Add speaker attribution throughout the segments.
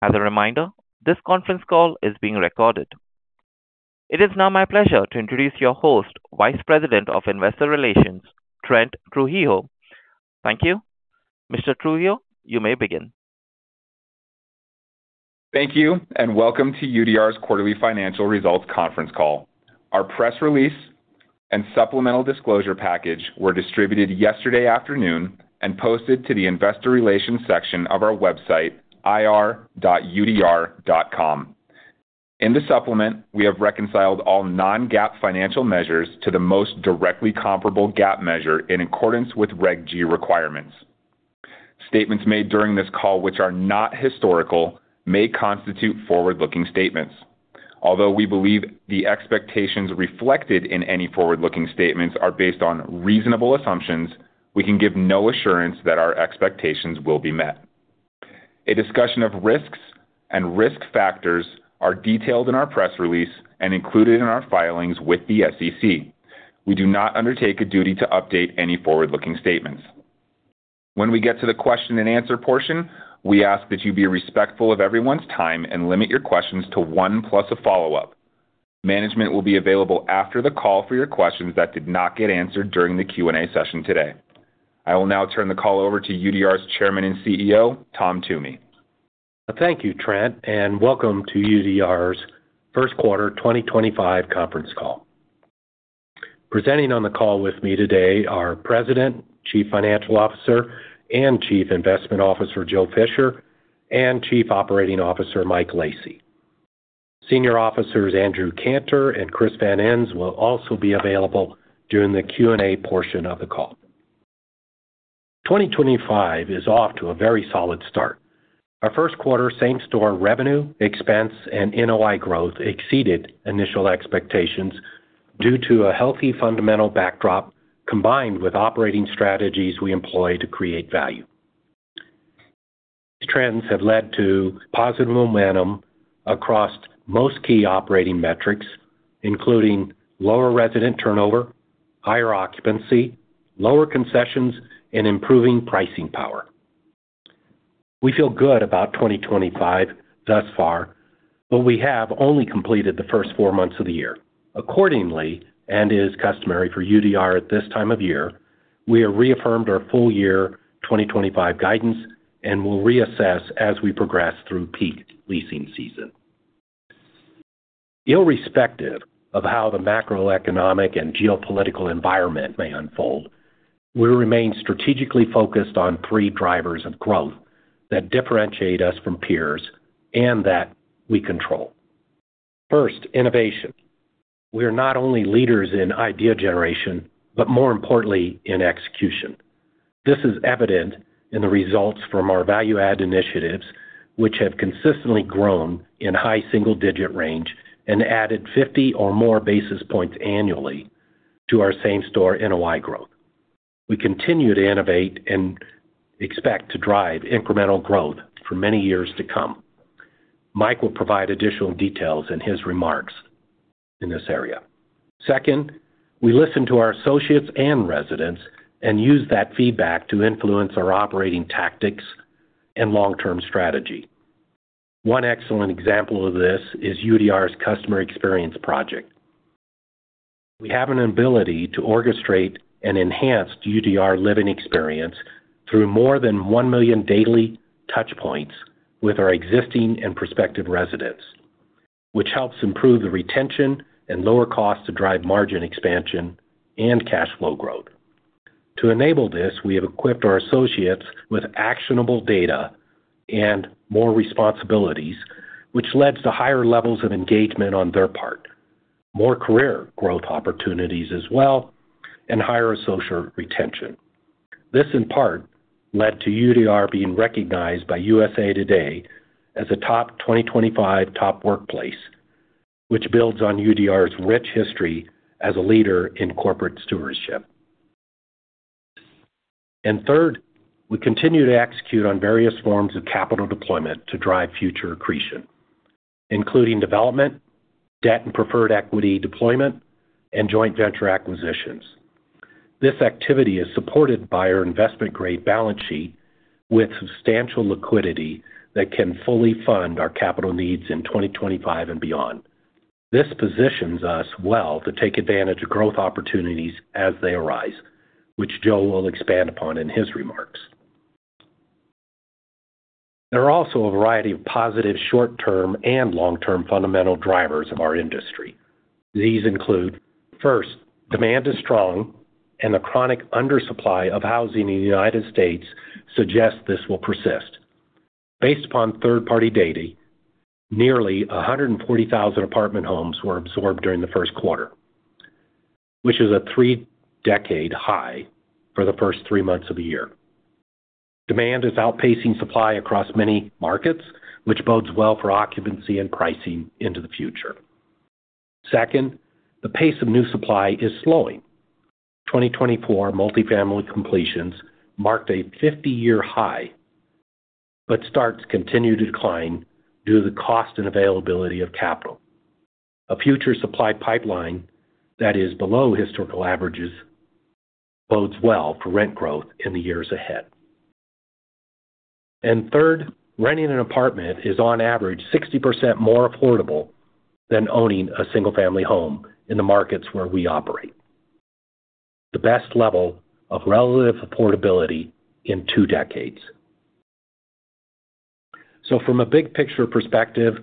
Speaker 1: As a reminder, this conference call is being recorded. It is now my pleasure to introduce your host, Vice President of Investor Relations, Trent Trujillo. Thank you. Mr. Trujillo, you may begin.
Speaker 2: Thank you, and welcome to UDR's Quarterly Financial Results Conference Call. Our press release and supplemental disclosure package were distributed yesterday afternoon and posted to the Investor Relations section of our website, ir.udr.com. In the supplement, we have reconciled all non-GAAP financial measures to the most directly comparable GAAP measure in accordance with Reg G requirements. Statements made during this call, which are not historical, may constitute forward-looking statements. Although we believe the expectations reflected in any forward-looking statements are based on reasonable assumptions, we can give no assurance that our expectations will be met. A discussion of risks and risk factors is detailed in our press release and included in our filings with the SEC. We do not undertake a duty to update any forward-looking statements. When we get to the question-and-answer portion, we ask that you be respectful of everyone's time and limit your questions to one plus a follow-up. Management will be available after the call for your questions that did not get answered during the Q&A session today. I will now turn the call over to UDR's Chairman and CEO, Tom Toomey.
Speaker 3: Thank you, Trent, and welcome to UDR's First Quarter 2025 Conference Call. Presenting on the call with me today are President, Chief Financial Officer, and Chief Investment Officer Joe Fisher, and Chief Operating Officer Mike Lacy. Senior Officers Andrew Kantor and Chris Van Enns will also be available during the Q&A portion of the call. 2025 is off to a very solid start. Our first quarter's same-store revenue, expense, and NOI growth exceeded initial expectations due to a healthy fundamental backdrop combined with operating strategies we employ to create value. These trends have led to positive momentum across most key operating metrics, including lower resident turnover, higher occupancy, lower concessions, and improving pricing power. We feel good about 2025 thus far, but we have only completed the first four months of the year. Accordingly, as is customary for UDR at this time of year, we have reaffirmed our full-year 2025 guidance and will reassess as we progress through peak leasing season. Irrespective of how the macroeconomic and geopolitical environment may unfold, we remain strategically focused on three drivers of growth that differentiate us from peers and that we control. First, innovation. We are not only leaders in idea generation, but more importantly, in execution. This is evident in the results from our value-add initiatives, which have consistently grown in high single-digit range and added 50 or more basis points annually to our same-store NOI growth. We continue to innovate and expect to drive incremental growth for many years to come. Mike will provide additional details in his remarks in this area. Second, we listen to our associates and residents and use that feedback to influence our operating tactics and long-term strategy. One excellent example of this is UDR's Customer Experience Project. We have an ability to orchestrate an enhanced UDR living experience through more than one million daily touchpoints with our existing and prospective residents, which helps improve the retention and lower costs to drive margin expansion and cash flow growth. To enable this, we have equipped our associates with actionable data and more responsibilities, which led to higher levels of engagement on their part, more career growth opportunities as well, and higher associate retention. This, in part, led to UDR being recognized by USA Today as a 2025 top workplace, which builds on UDR's rich history as a leader in corporate stewardship. Third, we continue to execute on various forms of capital deployment to drive future accretion, including development, debt and preferred equity deployment, and joint venture acquisitions. This activity is supported by our investment-grade balance sheet with substantial liquidity that can fully fund our capital needs in 2025 and beyond. This positions us well to take advantage of growth opportunities as they arise, which Joe will expand upon in his remarks. There are also a variety of positive short-term and long-term fundamental drivers of our industry. These include, first, demand is strong, and the chronic undersupply of housing in the United States suggests this will persist. Based upon third-party data, nearly 140,000 apartment homes were absorbed during the first quarter, which is a three-decade high for the first three months of the year. Demand is outpacing supply across many markets, which bodes well for occupancy and pricing into the future. Second, the pace of new supply is slowing. 2024 multifamily completions marked a 50-year high, but starts continue to decline due to the cost and availability of capital. A future supply pipeline that is below historical averages bodes well for rent growth in the years ahead. Renting an apartment is, on average, 60% more affordable than owning a single-family home in the markets where we operate. The best level of relative affordability in two decades. From a big-picture perspective,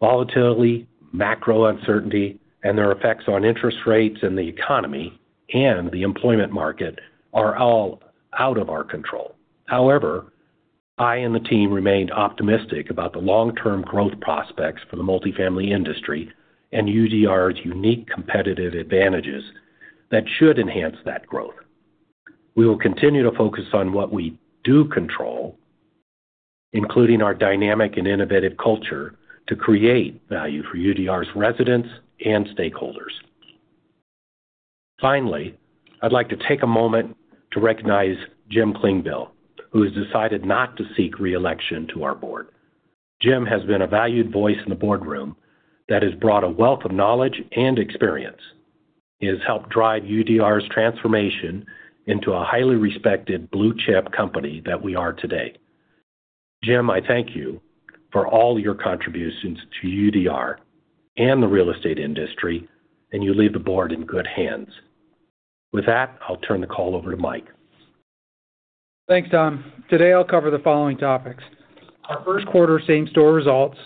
Speaker 3: volatility, macro uncertainty, and their effects on interest rates and the economy and the employment market are all out of our control. However, I and the team remain optimistic about the long-term growth prospects for the multifamily industry and UDR's unique competitive advantages that should enhance that growth. We will continue to focus on what we do control, including our dynamic and innovative culture, to create value for UDR's residents and stakeholders. Finally, I'd like to take a moment to recognize James Klingbeil, who has decided not to seek reelection to our board. James has been a valued voice in the boardroom that has brought a wealth of knowledge and experience. He has helped drive UDR's transformation into a highly respected blue-chip company that we are today. James, I thank you for all your contributions to UDR and the real estate industry, and you leave the board in good hands. With that, I'll turn the call over to Mike.
Speaker 4: Thanks, Tom. Today, I'll cover the following topics: our first quarter same-store results,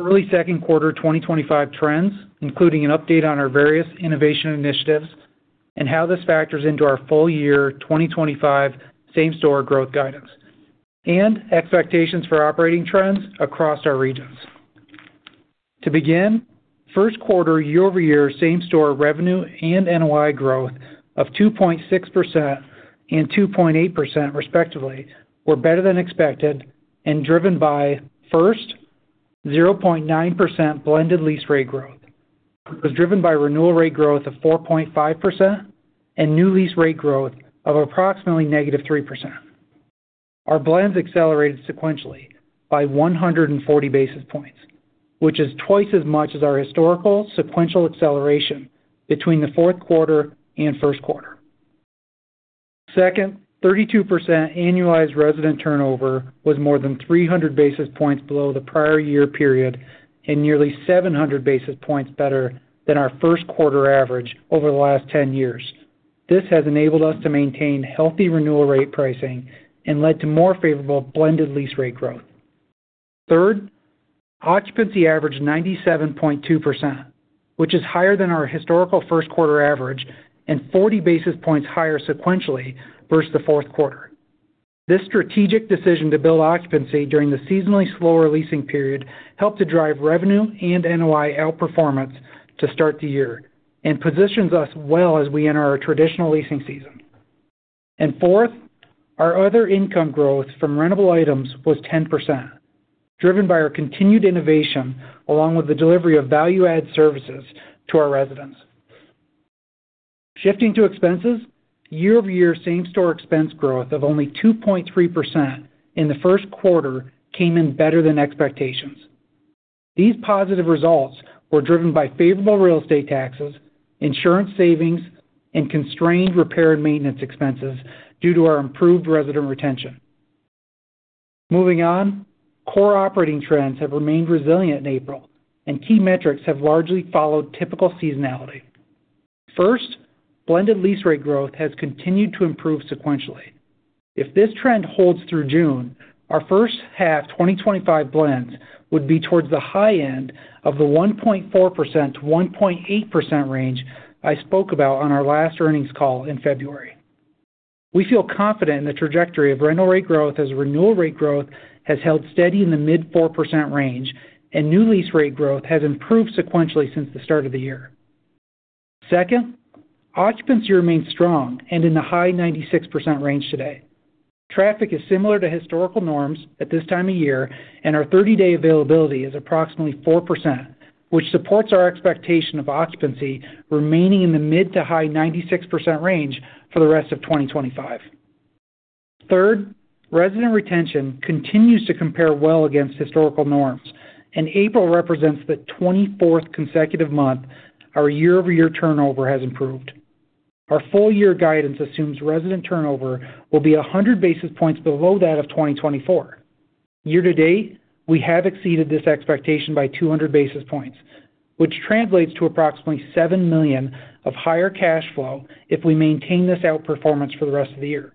Speaker 4: early second quarter 2025 trends, including an update on our various innovation initiatives and how this factors into our full-year 2025 same-store growth guidance, and expectations for operating trends across our regions. To begin, first quarter year-over-year same-store revenue and NOI growth of 2.6% and 2.8%, respectively, were better than expected and driven by, first, 0.9% blended lease rate growth, which was driven by renewal rate growth of 4.5% and new lease rate growth of approximately negative 3%. Our blends accelerated sequentially by 140 basis points, which is twice as much as our historical sequential acceleration between the fourth quarter and first quarter. Second, 32% annualized resident turnover was more than 300 basis points below the prior year period and nearly 700 basis points better than our first quarter average over the last 10 years. This has enabled us to maintain healthy renewal rate pricing and led to more favorable blended lease rate growth. Third, occupancy averaged 97.2%, which is higher than our historical first quarter average and 40 basis points higher sequentially versus the fourth quarter. This strategic decision to build occupancy during the seasonally slower leasing period helped to drive revenue and NOI outperformance to start the year and positions us well as we enter our traditional leasing season. Fourth, our other income growth from rentable items was 10%, driven by our continued innovation along with the delivery of value-add services to our residents. Shifting to expenses, year-over-year same-store expense growth of only 2.3% in the first quarter came in better than expectations. These positive results were driven by favorable real estate taxes, insurance savings, and constrained repair and maintenance expenses due to our improved resident retention. Moving on, core operating trends have remained resilient in April, and key metrics have largely followed typical seasonality. First, blended lease rate growth has continued to improve sequentially. If this trend holds through June, our first half 2025 blends would be towards the high end of the 1.4%-1.8% range I spoke about on our last earnings call in February. We feel confident in the trajectory of rental rate growth as renewal rate growth has held steady in the mid-4% range, and new lease rate growth has improved sequentially since the start of the year. Second, occupancy remains strong and in the high 96% range today. Traffic is similar to historical norms at this time of year, and our 30-day availability is approximately 4%, which supports our expectation of occupancy remaining in the mid-to-high 96% range for the rest of 2025. Third, resident retention continues to compare well against historical norms, and April represents the 24th consecutive month our year-over-year turnover has improved. Our full-year guidance assumes resident turnover will be 100 basis points below that of 2024. Year to date, we have exceeded this expectation by 200 basis points, which translates to approximately $7 million of higher cash flow if we maintain this outperformance for the rest of the year.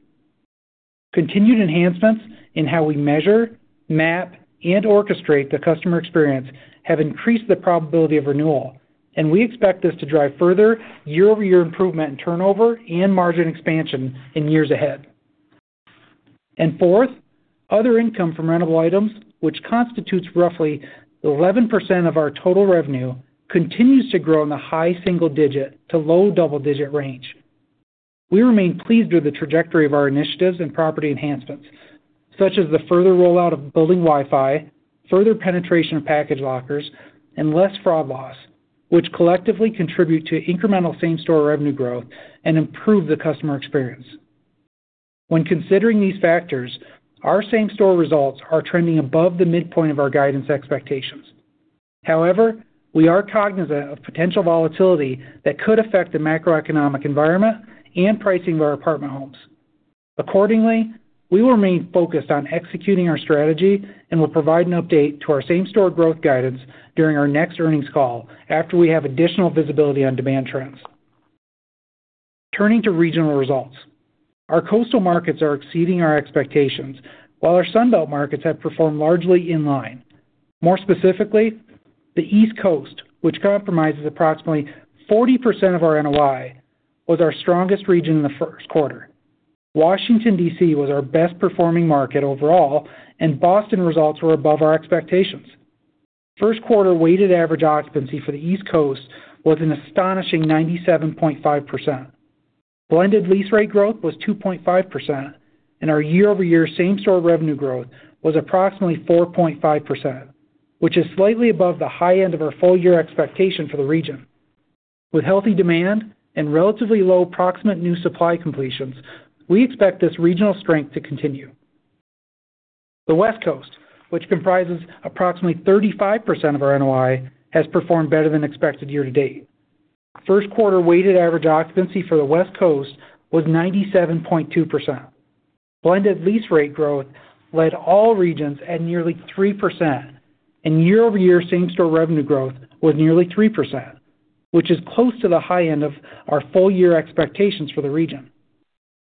Speaker 4: Continued enhancements in how we measure, map, and orchestrate the customer experience have increased the probability of renewal, and we expect this to drive further year-over-year improvement in turnover and margin expansion in years ahead. Fourth, other income from rentable items, which constitutes roughly 11% of our total revenue, continues to grow in the high single-digit to low double-digit range. We remain pleased with the trajectory of our initiatives and property enhancements, such as the further rollout of building Wi-Fi, further penetration of package lockers, and less fraud loss, which collectively contribute to incremental same-store revenue growth and improve the customer experience. When considering these factors, our same-store results are trending above the midpoint of our guidance expectations. However, we are cognizant of potential volatility that could affect the macroeconomic environment and pricing of our apartment homes. Accordingly, we will remain focused on executing our strategy and will provide an update to our same-store growth guidance during our next earnings call after we have additional visibility on demand trends. Turning to regional results, our coastal markets are exceeding our expectations, while our Sun Belt markets have performed largely in line. More specifically, the East Coast, which comprises approximately 40% of our NOI, was our strongest region in the first quarter. Washington, D.C., was our best-performing market overall, and Boston results were above our expectations. First-quarter weighted average occupancy for the East Coast was an astonishing 97.5%. Blended lease rate growth was 2.5%, and our year-over-year same-store revenue growth was approximately 4.5%, which is slightly above the high end of our full-year expectation for the region. With healthy demand and relatively low approximate new supply completions, we expect this regional strength to continue. The West Coast, which comprises approximately 35% of our NOI, has performed better than expected year to date. First-quarter weighted average occupancy for the West Coast was 97.2%. Blended lease rate growth led all regions at nearly 3%, and year-over-year same-store revenue growth was nearly 3%, which is close to the high end of our full-year expectations for the region.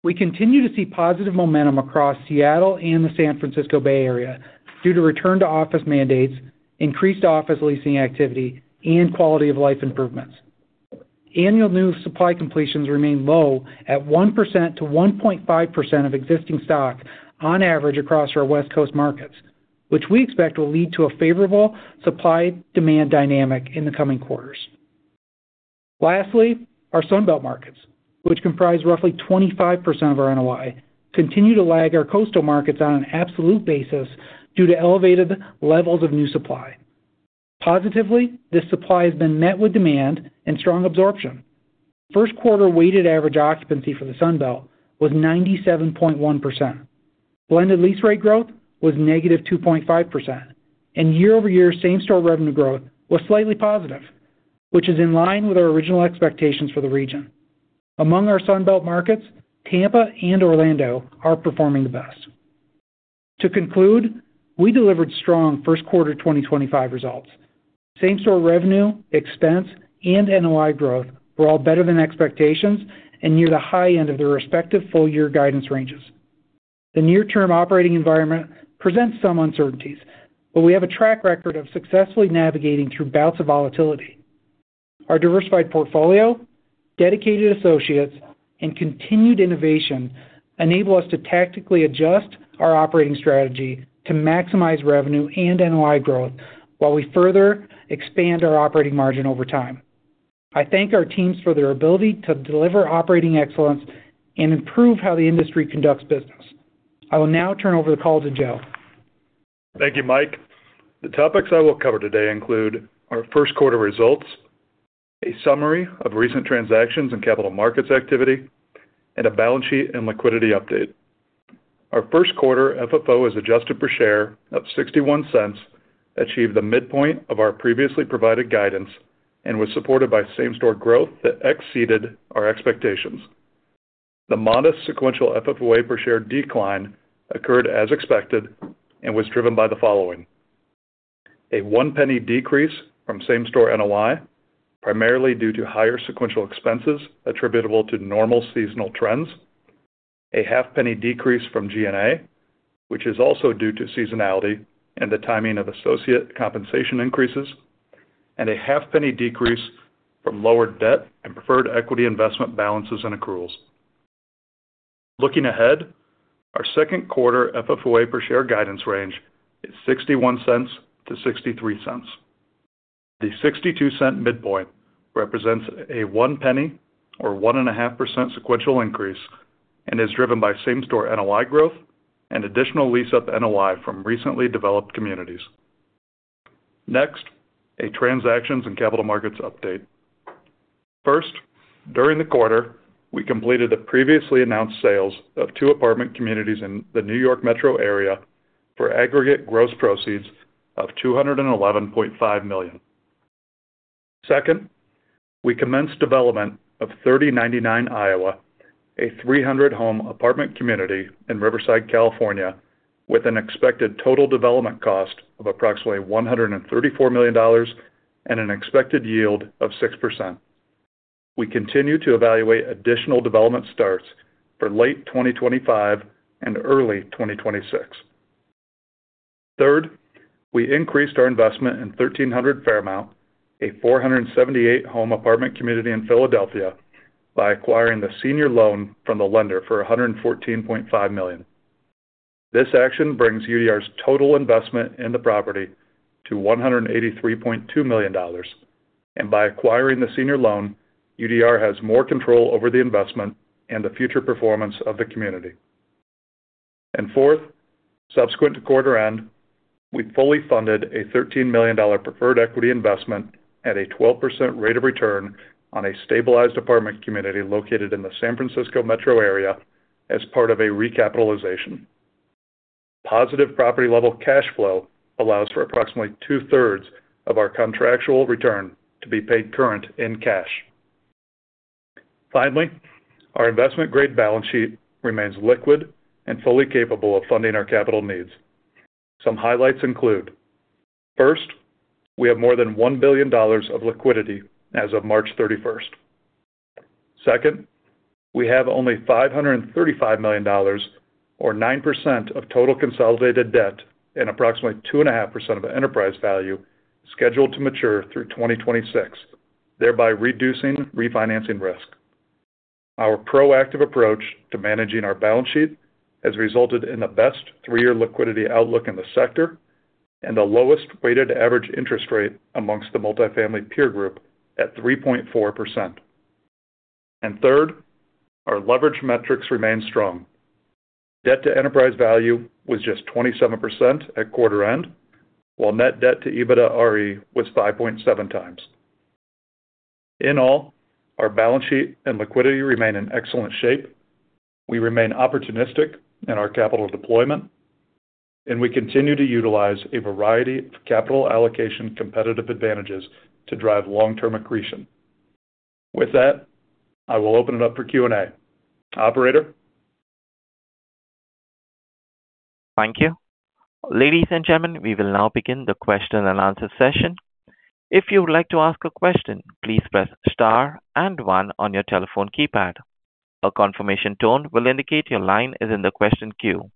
Speaker 4: We continue to see positive momentum across Seattle and the San Francisco Bay Area due to return-to-office mandates, increased office leasing activity, and quality-of-life improvements. Annual new supply completions remain low at 1%-1.5% of existing stock on average across our West Coast markets, which we expect will lead to a favorable supply-demand dynamic in the coming quarters. Lastly, our Sun Belt markets, which comprise roughly 25% of our NOI, continue to lag our coastal markets on an absolute basis due to elevated levels of new supply. Positively, this supply has been met with demand and strong absorption. First-quarter weighted average occupancy for the Sun Belt was 97.1%. Blended lease rate growth was negative 2.5%, and year-over-year same-store revenue growth was slightly positive, which is in line with our original expectations for the region. Among our Sun Belt markets, Tampa and Orlando are performing the best. To conclude, we delivered strong first quarter 2025 results. Same-store revenue, expense, and NOI growth were all better than expectations and near the high end of their respective full-year guidance ranges. The near-term operating environment presents some uncertainties, but we have a track record of successfully navigating through bouts of volatility. Our diversified portfolio, dedicated associates, and continued innovation enable us to tactically adjust our operating strategy to maximize revenue and NOI growth while we further expand our operating margin over time. I thank our teams for their ability to deliver operating excellence and improve how the industry conducts business. I will now turn over the call to Joe.
Speaker 5: Thank you, Mike. The topics I will cover today include our first quarter results, a summary of recent transactions and capital markets activity, and a balance sheet and liquidity update. Our first quarter FFO as adjusted per share of $0.61 achieved the midpoint of our previously provided guidance and was supported by same-store growth that exceeded our expectations. The modest sequential FFOA per share decline occurred as expected and was driven by the following: a one-penny decrease from same-store NOI, primarily due to higher sequential expenses attributable to normal seasonal trends, a half-penny decrease from G&A, which is also due to seasonality and the timing of associate compensation increases, and a half-penny decrease from lowered debt and preferred equity investment balances and accruals. Looking ahead, our second quarter FFOA per share guidance range is $0.61-$0.63. The $0.62 midpoint represents a one-penny or 1.5% sequential increase and is driven by same-store NOI growth and additional lease-up NOI from recently developed communities. Next, a transactions and capital markets update. First, during the quarter, we completed the previously announced sales of two apartment communities in the New York Metro area for aggregate gross proceeds of $211.5 million. Second, we commenced development of 3099 Iowa, a 300-home apartment community in Riverside, California, with an expected total development cost of approximately $134 million and an expected yield of 6%. We continue to evaluate additional development starts for late 2025 and early 2026. Third, we increased our investment in 1300 Fairmount, a 478-home apartment community in Philadelphia, by acquiring the senior loan from the lender for $114.5 million. This action brings UDR's total investment in the property to $183.2 million, and by acquiring the senior loan, UDR has more control over the investment and the future performance of the community. Fourth, subsequent to quarter end, we fully funded a $13 million preferred equity investment at a 12% rate of return on a stabilized apartment community located in the San Francisco Metro area as part of a recapitalization. Positive property-level cash flow allows for approximately two-thirds of our contractual return to be paid current in cash. Finally, our investment-grade balance sheet remains liquid and fully capable of funding our capital needs. Some highlights include: first, we have more than $1 billion of liquidity as of March 31; second, we have only $535 million, or 9% of total consolidated debt, and approximately 2.5% of enterprise value scheduled to mature through 2026, thereby reducing refinancing risk. Our proactive approach to managing our balance sheet has resulted in the best three-year liquidity outlook in the sector and the lowest weighted average interest rate amongst the multifamily peer group at 3.4%. Third, our leverage metrics remain strong. Debt to enterprise value was just 27% at quarter end, while net debt to EBITDA RE was 5.7 times. In all, our balance sheet and liquidity remain in excellent shape. We remain opportunistic in our capital deployment, and we continue to utilize a variety of capital allocation competitive advantages to drive long-term accretion. With that, I will open it up for Q&A. Operator.
Speaker 1: Thank you. Ladies and gentlemen, we will now begin the question and answer session. If you would like to ask a question, please press star and one on your telephone keypad. A confirmation tone will indicate your line is in the question queue.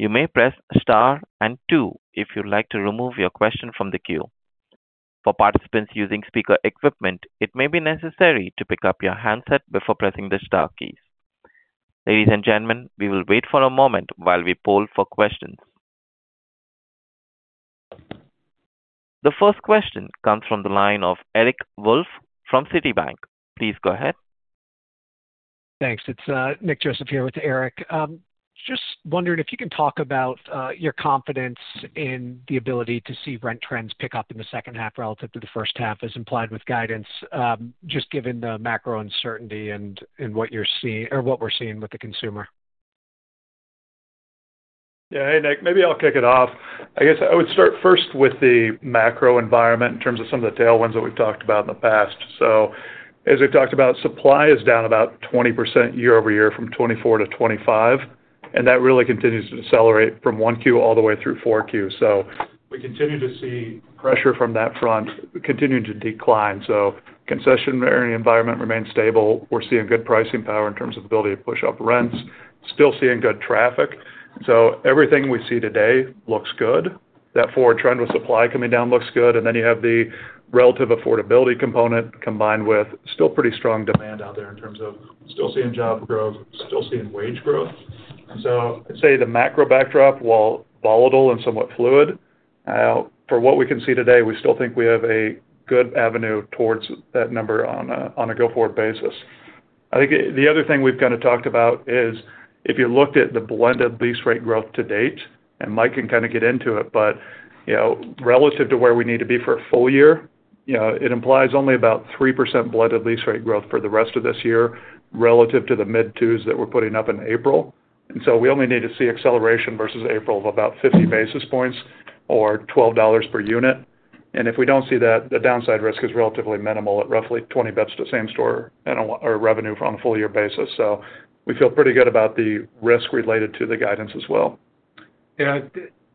Speaker 1: You may press star and two if you'd like to remove your question from the queue. For participants using speaker equipment, it may be necessary to pick up your handset before pressing the star keys. Ladies and gentlemen, we will wait for a moment while we poll for questions. The first question comes from the line of Eric Wolf from Citibank. Please go ahead.
Speaker 6: Thanks. It's Nick Joseph here with Eric. Just wondering if you can talk about your confidence in the ability to see rent trends pick up in the second half relative to the first half as implied with guidance, just given the macro uncertainty and what you're seeing or what we're seeing with the consumer.
Speaker 5: Yeah. Hey, Nick, maybe I'll kick it off. I guess I would start first with the macro environment in terms of some of the tailwinds that we've talked about in the past. As we've talked about, supply is down about 20% year over year from 2024-2025, and that really continues to decelerate from Q1 all the way through Q4s. We continue to see pressure from that front continuing to decline. The concessionary environment remains stable. We're seeing good pricing power in terms of ability to push up rents. Still seeing good traffic. Everything we see today looks good. That forward trend with supply coming down looks good. You have the relative affordability component combined with still pretty strong demand out there in terms of still seeing job growth, still seeing wage growth. I'd say the macro backdrop, while volatile and somewhat fluid, for what we can see today, we still think we have a good avenue towards that number on a go-forward basis. I think the other thing we've kind of talked about is if you looked at the blended lease rate growth to date, and Mike can kind of get into it, but relative to where we need to be for a full year, it implies only about 3% blended lease rate growth for the rest of this year relative to the mid-two's that we're putting up in April. We only need to see acceleration versus April of about 50 basis points or $12 per unit. If we don't see that, the downside risk is relatively minimal at roughly 20 basis points to same-store revenue on a full-year basis. We feel pretty good about the risk related to the guidance as well.
Speaker 4: Yeah.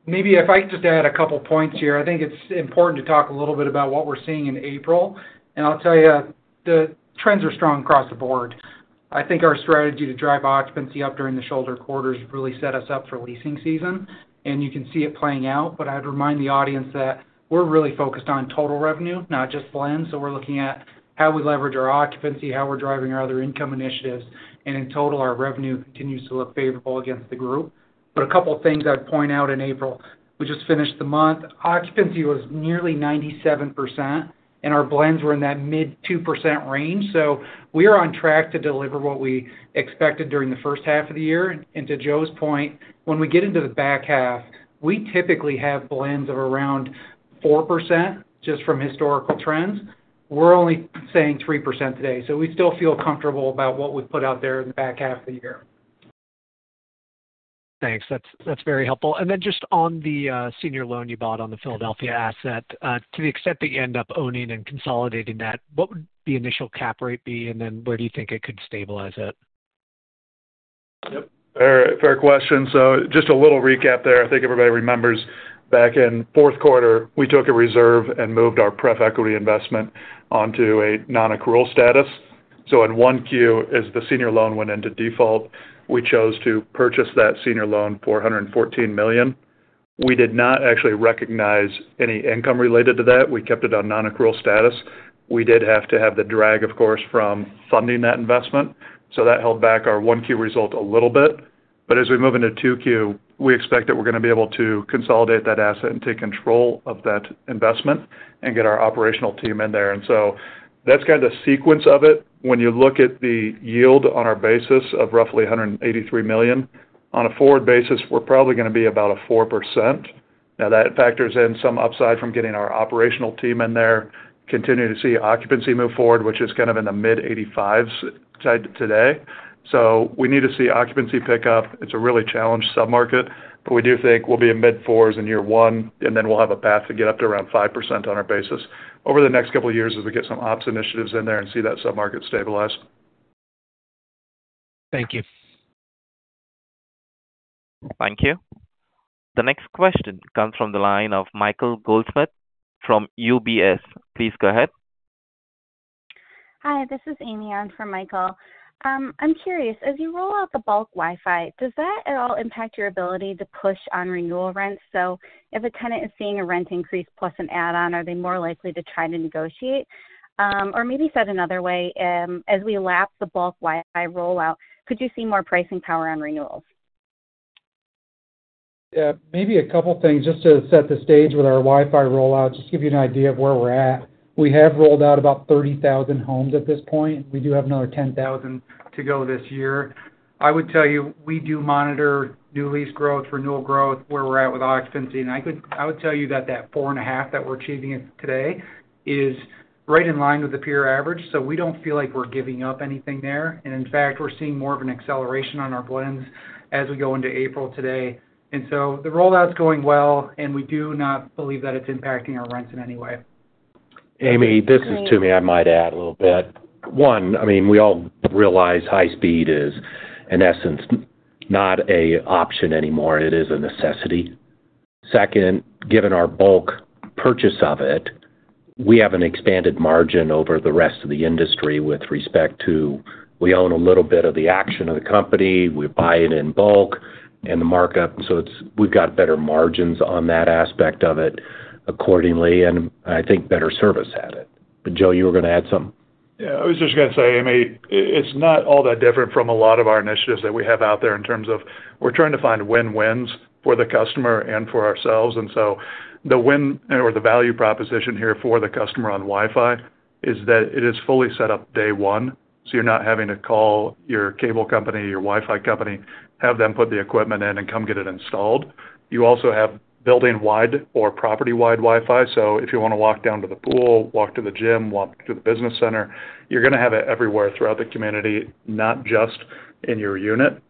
Speaker 4: Maybe if I could just add a couple of points here, I think it's important to talk a little bit about what we're seeing in April. I'll tell you, the trends are strong across the board. I think our strategy to drive occupancy up during the shoulder quarters really set us up for leasing season, and you can see it playing out. I'd remind the audience that we're really focused on total revenue, not just the lens. We're looking at how we leverage our occupancy, how we're driving our other income initiatives, and in total, our revenue continues to look favorable against the group. A couple of things I'd point out in April. We just finished the month. Occupancy was nearly 97%, and our blends were in that mid-2% range. We are on track to deliver what we expected during the first half of the year. To Joe's point, when we get into the back half, we typically have blends of around 4% just from historical trends. We are only saying 3% today. We still feel comfortable about what we have put out there in the back half of the year.
Speaker 6: Thanks. That's very helpful. Just on the senior loan you bought on the Philadelphia asset, to the extent that you end up owning and consolidating that, what would the initial cap rate be, and then where do you think it could stabilize at?
Speaker 5: Yep. Fair question. Just a little recap there. I think everybody remembers back in fourth quarter, we took a reserve and moved our prep equity investment onto a non-accrual status. In Q1, as the senior loan went into default, we chose to purchase that senior loan for $114 million. We did not actually recognize any income related to that. We kept it on non-accrual status. We did have to have the drag, of course, from funding that investment. That held back our Q1 result a little bit. As we move into Q2, we expect that we're going to be able to consolidate that asset and take control of that investment and get our operational team in there. That's kind of the sequence of it. When you look at the yield on our basis of roughly $183 million, on a forward basis, we're probably going to be about a 4%. Now, that factors in some upside from getting our operational team in there, continue to see occupancy move forward, which is kind of in the mid-85% today. We need to see occupancy pick up. It's a really challenged submarket, but we do think we'll be in mid-4% in year one, and then we'll have a path to get up to around 5% on our basis over the next couple of years as we get some ops initiatives in there and see that submarket stabilize.
Speaker 6: Thank you.
Speaker 3: Thank you. The next question comes from the line of Michael Goldman from UBS. Please go ahead.
Speaker 7: Hi, this is Amy. I'm from Michael. I'm curious, as you roll out the bulk Wi-Fi, does that at all impact your ability to push on renewal rents? If a tenant is seeing a rent increase plus an add-on, are they more likely to try to negotiate? Maybe said another way, as we lap the bulk Wi-Fi rollout, could you see more pricing power on renewals?
Speaker 4: Yeah. Maybe a couple of things just to set the stage with our Wi-Fi rollout, just to give you an idea of where we're at. We have rolled out about 30,000 homes at this point. We do have another 10,000 to go this year. I would tell you, we do monitor new lease growth, renewal growth, where we're at with occupancy. I would tell you that that 4.5% that we're achieving today is right in line with the peer average. We do not feel like we're giving up anything there. In fact, we're seeing more of an acceleration on our blends as we go into April today. The rollout's going well, and we do not believe that it's impacting our rents in any way.
Speaker 3: Amy, this is to me. I might add a little bit. One, I mean, we all realize high-speed is, in essence, not an option anymore. It is a necessity. Second, given our bulk purchase of it, we have an expanded margin over the rest of the industry with respect to we own a little bit of the action of the company. We buy it in bulk and the markup. We have better margins on that aspect of it accordingly, and I think better service at it. Joe, you were going to add something.
Speaker 5: Yeah. I was just going to say, Amy, it's not all that different from a lot of our initiatives that we have out there in terms of we're trying to find win-wins for the customer and for ourselves. The win or the value proposition here for the customer on Wi-Fi is that it is fully set up day one. You're not having to call your cable company, your Wi-Fi company, have them put the equipment in and come get it installed. You also have building-wide or property-wide Wi-Fi. If you want to walk down to the pool, walk to the gym, walk to the business center, you're going to have it everywhere throughout the community, not just in your unit.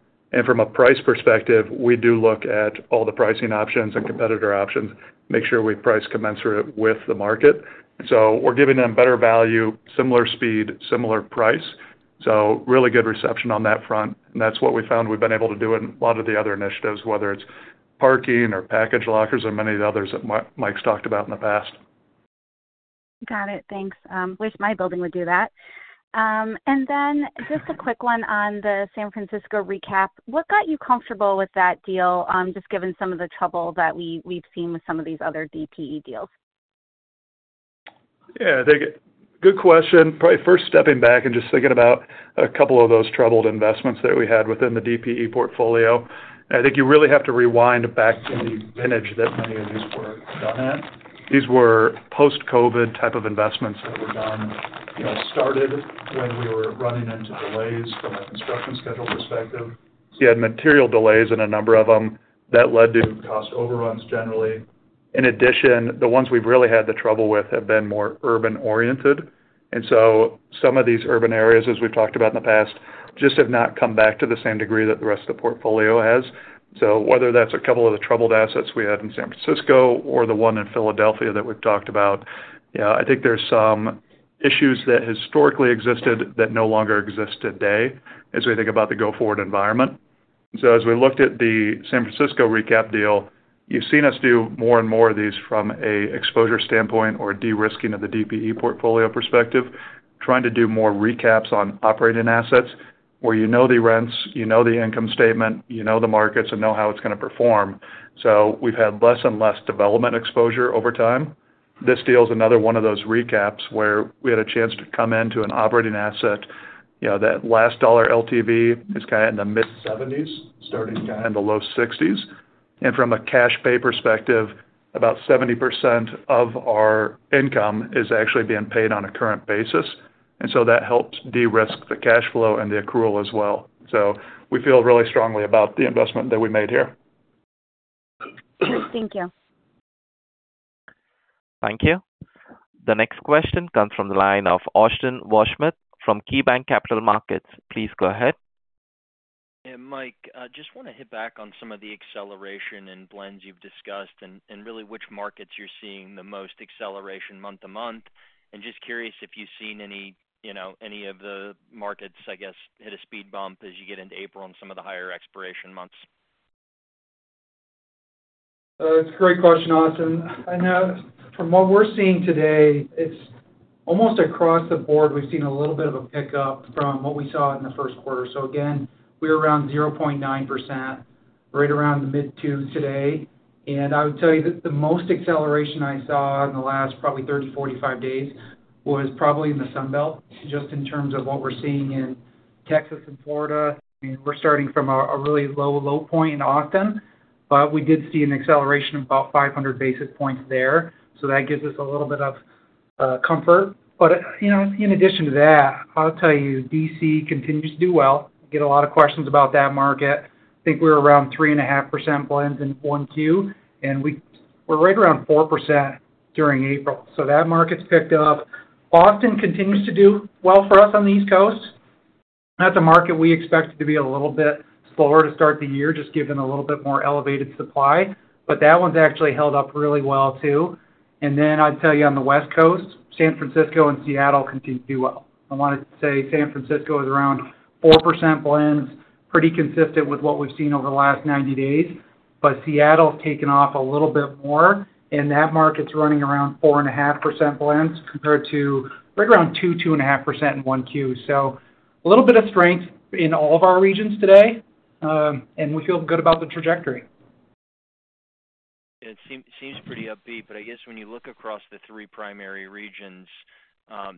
Speaker 5: From a price perspective, we do look at all the pricing options and competitor options, make sure we price commensurate with the market. We're giving them better value, similar speed, similar price. Really good reception on that front. That's what we found we've been able to do in a lot of the other initiatives, whether it's parking or package lockers or many of the others that Mike's talked about in the past.
Speaker 7: Got it. Thanks. Wish my building would do that. Just a quick one on the San Francisco recap. What got you comfortable with that deal, just given some of the trouble that we've seen with some of these other DPE deals?
Speaker 5: Yeah. I think good question. Probably first stepping back and just thinking about a couple of those troubled investments that we had within the DPE portfolio. I think you really have to rewind back in the minute that many of these were done at. These were post-COVID type of investments that were done. It started when we were running into delays from a construction schedule perspective. You had material delays in a number of them that led to cost overruns generally. In addition, the ones we've really had the trouble with have been more urban-oriented. Some of these urban areas, as we've talked about in the past, just have not come back to the same degree that the rest of the portfolio has. Whether that's a couple of the troubled assets we had in San Francisco or the one in Philadelphia that we've talked about, I think there's some issues that historically existed that no longer exist today as we think about the go-forward environment. As we looked at the San Francisco recap deal, you've seen us do more and more of these from an exposure standpoint or de-risking of the DPE portfolio perspective, trying to do more recaps on operating assets where you know the rents, you know the income statement, you know the markets, and know how it's going to perform. We've had less and less development exposure over time. This deal is another one of those recaps where we had a chance to come into an operating asset that last dollar LTV is kind of in the mid-70s, starting kind of in the low 60s. From a cash pay perspective, about 70% of our income is actually being paid on a current basis. That helps de-risk the cash flow and the accrual as well. We feel really strongly about the investment that we made here.
Speaker 7: Thank you.
Speaker 3: Thank you. The next question comes from the line of Austin Wurschmidt from KeyBanc Capital Markets. Please go ahead.
Speaker 8: Mike, just want to hit back on some of the acceleration and blends you've discussed and really which markets you're seeing the most acceleration month to month. Just curious if you've seen any of the markets, I guess, hit a speed bump as you get into April in some of the higher expiration months.
Speaker 4: That's a great question, Austin. I know from what we're seeing today, it's almost across the board. We've seen a little bit of a pickup from what we saw in the first quarter. Again, we're around 0.9%, right around the mid-two today. I would tell you that the most acceleration I saw in the last probably 30, 45 days was probably in the Sun Belt just in terms of what we're seeing in Texas and Florida. I mean, we're starting from a really low, low point in Austin, but we did see an acceleration of about 500 basis points there. That gives us a little bit of comfort. In addition to that, I'll tell you, DC continues to do well. We get a lot of questions about that market. I think we're around 3.5% blends in Q1, and we're right around 4% during April. That market's picked up. Austin continues to do well for us on the East Coast. That's a market we expected to be a little bit slower to start the year, just given a little bit more elevated supply. That one's actually held up really well too. I wanted to say San Francisco is around 4% blends, pretty consistent with what we've seen over the last 90 days. Seattle's taken off a little bit more, and that market's running around 4.5% blends compared to right around 2-2.5% in Q1. A little bit of strength in all of our regions today, and we feel good about the trajectory.
Speaker 8: It seems pretty upbeat, but I guess when you look across the three primary regions,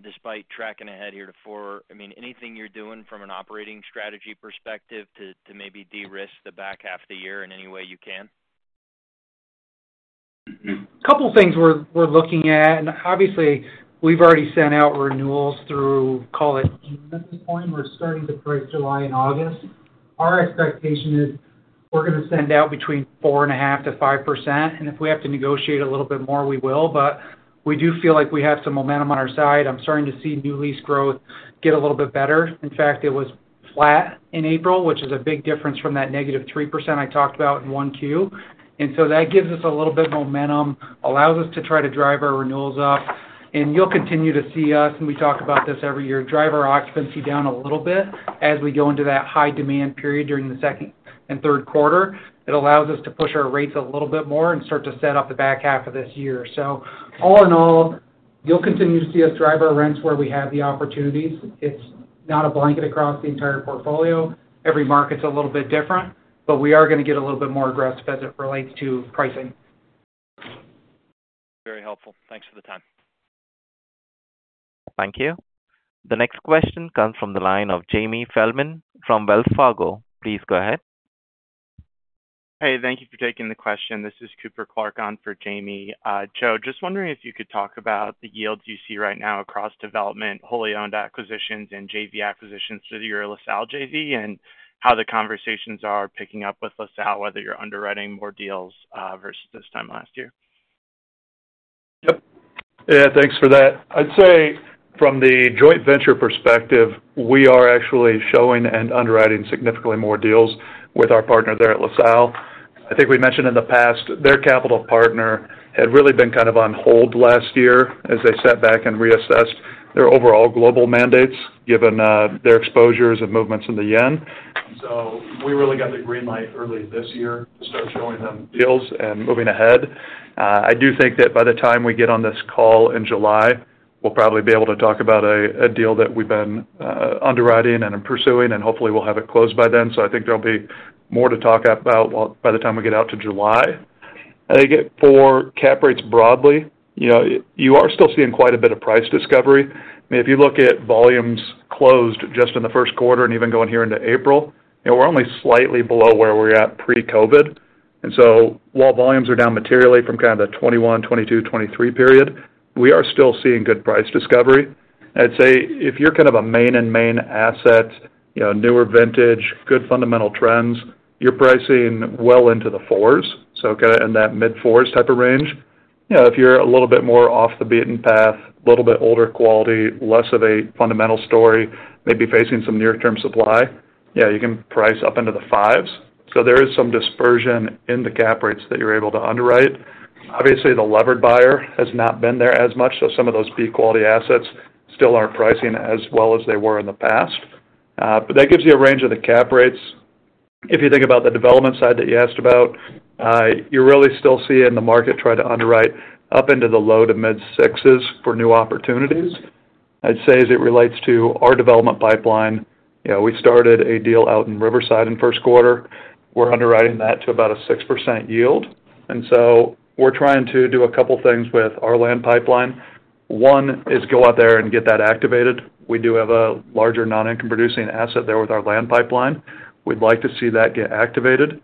Speaker 8: despite tracking ahead here to Q4, I mean, anything you're doing from an operating strategy perspective to maybe de-risk the back half of the year in any way you can?
Speaker 4: A couple of things we're looking at. Obviously, we've already sent out renewals through, call it, June at this point. We're starting to price July and August. Our expectation is we're going to send out between 4.5-5%. If we have to negotiate a little bit more, we will. We do feel like we have some momentum on our side. I'm starting to see new lease growth get a little bit better. In fact, it was flat in April, which is a big difference from that negative 3% I talked about in Q1. That gives us a little bit of momentum, allows us to try to drive our renewals up. You will continue to see us, and we talk about this every year, drive our occupancy down a little bit as we go into that high demand period during the second and third quarter. It allows us to push our rates a little bit more and start to set up the back half of this year. All in all, you will continue to see us drive our rents where we have the opportunities. It is not a blanket across the entire portfolio. Every market is a little bit different, but we are going to get a little bit more aggressive as it relates to pricing. Very helpful. Thanks for the time.
Speaker 1: Thank you. The next question comes from the line of Jamie Feldman from Wells Fargo. Please go ahead.
Speaker 9: Hey, thank you for taking the question. This is Cooper Clark on for Jamie. Joe, just wondering if you could talk about the yields you see right now across development, wholly owned acquisitions, and JV acquisitions through your LaSalle JV and how the conversations are picking up with LaSalle, whether you're underwriting more deals versus this time last year.
Speaker 5: Yep. Yeah. Thanks for that. I'd say from the joint venture perspective, we are actually showing and underwriting significantly more deals with our partner there at LaSalle. I think we mentioned in the past, their capital partner had really been kind of on hold last year as they sat back and reassessed their overall global mandates, given their exposures and movements in the yen. We really got the green light early this year to start showing them deals and moving ahead. I do think that by the time we get on this call in July, we'll probably be able to talk about a deal that we've been underwriting and pursuing, and hopefully, we'll have it closed by then. I think there'll be more to talk about by the time we get out to July. I think for cap rates broadly, you are still seeing quite a bit of price discovery. I mean, if you look at volumes closed just in the first quarter and even going here into April, we are only slightly below where we are at pre-COVID. While volumes are down materially from kind of the 2021, 2022, 2023 period, we are still seeing good price discovery. I'd say if you are kind of a main-in-main asset, newer vintage, good fundamental trends, you are pricing well into the fours, so kind of in that mid-fours type of range. If you are a little bit more off the beaten path, a little bit older quality, less of a fundamental story, maybe facing some near-term supply, you can price up into the fives. There is some dispersion in the cap rates that you are able to underwrite. Obviously, the levered buyer has not been there as much, so some of those B-quality assets still aren't pricing as well as they were in the past. That gives you a range of the cap rates. If you think about the development side that you asked about, you're really still seeing the market try to underwrite up into the low to mid-sixes for new opportunities. I'd say as it relates to our development pipeline, we started a deal out in Riverside in first quarter. We're underwriting that to about a 6% yield. We are trying to do a couple of things with our land pipeline. One is go out there and get that activated. We do have a larger non-income-producing asset there with our land pipeline. We'd like to see that get activated.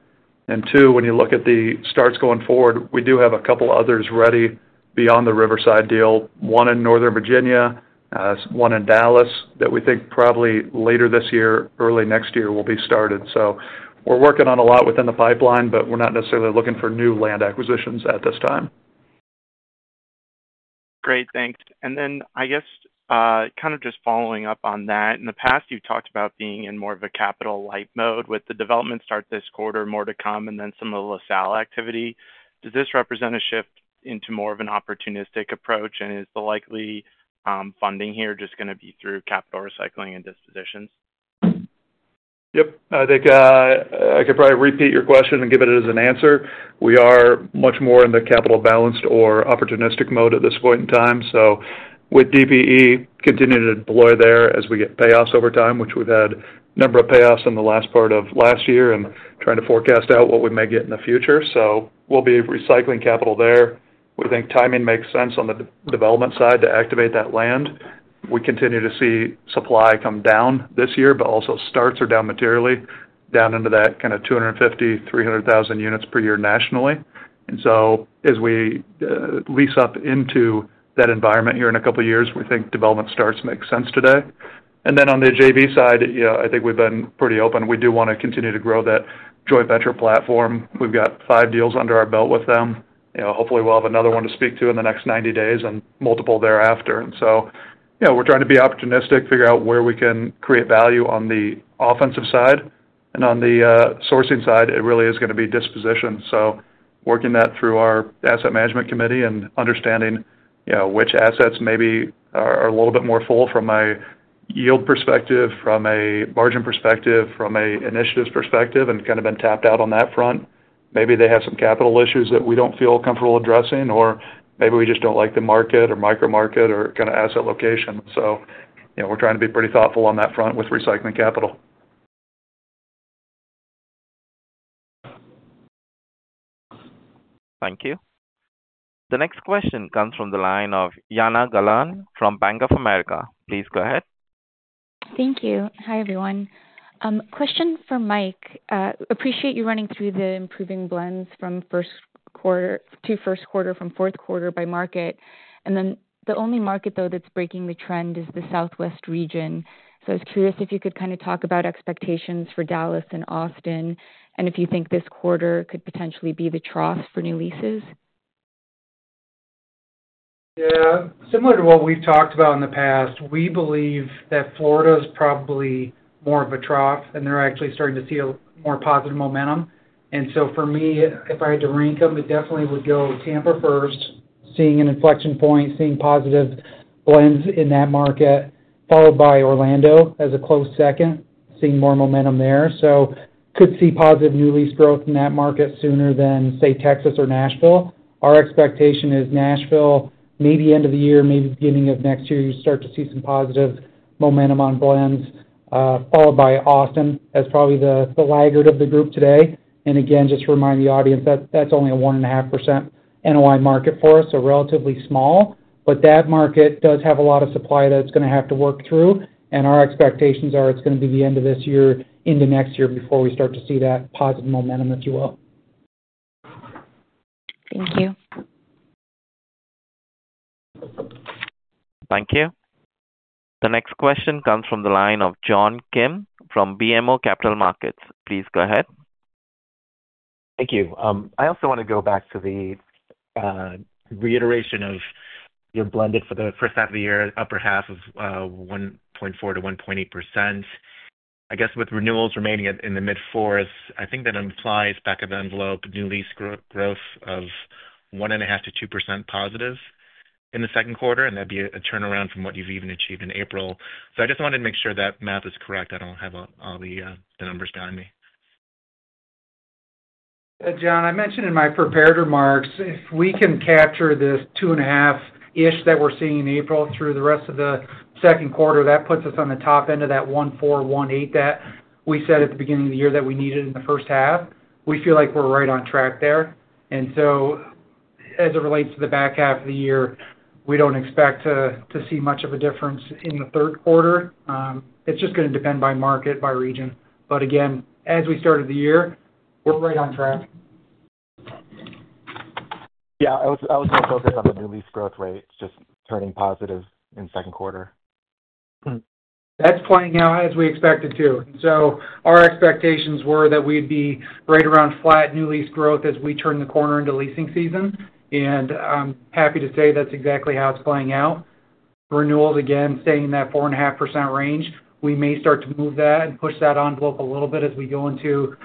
Speaker 5: When you look at the starts going forward, we do have a couple of others ready beyond the Riverside deal, one in Northern Virginia, one in Dallas that we think probably later this year, early next year, will be started. We are working on a lot within the pipeline, but we are not necessarily looking for new land acquisitions at this time.
Speaker 9: Great. Thanks. I guess kind of just following up on that, in the past, you talked about being in more of a capital light mode with the development start this quarter, more to come, and then some of the LaSalle activity. Does this represent a shift into more of an opportunistic approach? Is the likely funding here just going to be through capital recycling and dispositions?
Speaker 5: Yep. I think I could probably repeat your question and give it as an answer. We are much more in the capital-balanced or opportunistic mode at this point in time. With DPE, continue to deploy there as we get payoffs over time, which we've had a number of payoffs in the last part of last year and trying to forecast out what we may get in the future. We will be recycling capital there. We think timing makes sense on the development side to activate that land. We continue to see supply come down this year, but also starts are down materially down into that kind of 250,000-300,000 units per year nationally. As we lease up into that environment here in a couple of years, we think development starts make sense today. On the JV side, I think we've been pretty open. We do want to continue to grow that joint venture platform. We've got five deals under our belt with them. Hopefully, we'll have another one to speak to in the next 90 days and multiple thereafter. We are trying to be opportunistic, figure out where we can create value on the offensive side. On the sourcing side, it really is going to be disposition. Working that through our asset management committee and understanding which assets maybe are a little bit more full from a yield perspective, from a margin perspective, from an initiative perspective, and kind of been tapped out on that front. Maybe they have some capital issues that we do not feel comfortable addressing, or maybe we just do not like the market or micro-market or kind of asset location. We are trying to be pretty thoughtful on that front with recycling capital.
Speaker 1: Thank you. The next question comes from the line of Yana Gallen from Bank of America. Please go ahead.
Speaker 10: Thank you. Hi, everyone. Question for Mike. Appreciate you running through the improving blends from first quarter to first quarter from fourth quarter by market. The only market, though, that's breaking the trend is the Southwest region. I was curious if you could kind of talk about expectations for Dallas and Austin and if you think this quarter could potentially be the trough for new leases.
Speaker 4: Yeah. Similar to what we've talked about in the past, we believe that Florida is probably more of a trough, and they're actually starting to see more positive momentum. For me, if I had to rank them, it definitely would go Tampa first, seeing an inflection point, seeing positive blends in that market, followed by Orlando as a close second, seeing more momentum there. Could see positive new lease growth in that market sooner than, say, Texas or Nashville. Our expectation is Nashville, maybe end of the year, maybe beginning of next year, you start to see some positive momentum on blends, followed by Austin as probably the laggard of the group today. Just to remind the audience, that's only a 1.5% NOI market for us, so relatively small. That market does have a lot of supply that it's going to have to work through. Our expectations are it's going to be the end of this year, into next year before we start to see that positive momentum, if you will.
Speaker 10: Thank you.
Speaker 1: Thank you. The next question comes from the line of John Kim from BMO Capital Markets. Please go ahead.
Speaker 11: Thank you. I also want to go back to the reiteration of your blended for the first half of the year, upper half of 1.4-1.8%. I guess with renewals remaining in the mid-fours, I think that implies back of the envelope, new lease growth of 1.5-2% positive in the second quarter, and that'd be a turnaround from what you've even achieved in April. I just wanted to make sure that math is correct. I don't have all the numbers behind me.
Speaker 4: John, I mentioned in my prepared remarks, if we can capture this 2.5-ish that we're seeing in April through the rest of the second quarter, that puts us on the top end of that 1.4-1.8 that we said at the beginning of the year that we needed in the first half. We feel like we're right on track there. As it relates to the back half of the year, we do not expect to see much of a difference in the third quarter. It is just going to depend by market, by region. Again, as we started the year, we are right on track.
Speaker 5: Yeah. I was going to focus on the new lease growth rate, just turning positive in second quarter.
Speaker 4: That's playing out as we expected to. Our expectations were that we'd be right around flat new lease growth as we turn the corner into leasing season. I'm happy to say that's exactly how it's playing out. Renewals, again, staying in that 4.5% range. We may start to move that and push that envelope a little bit as we go into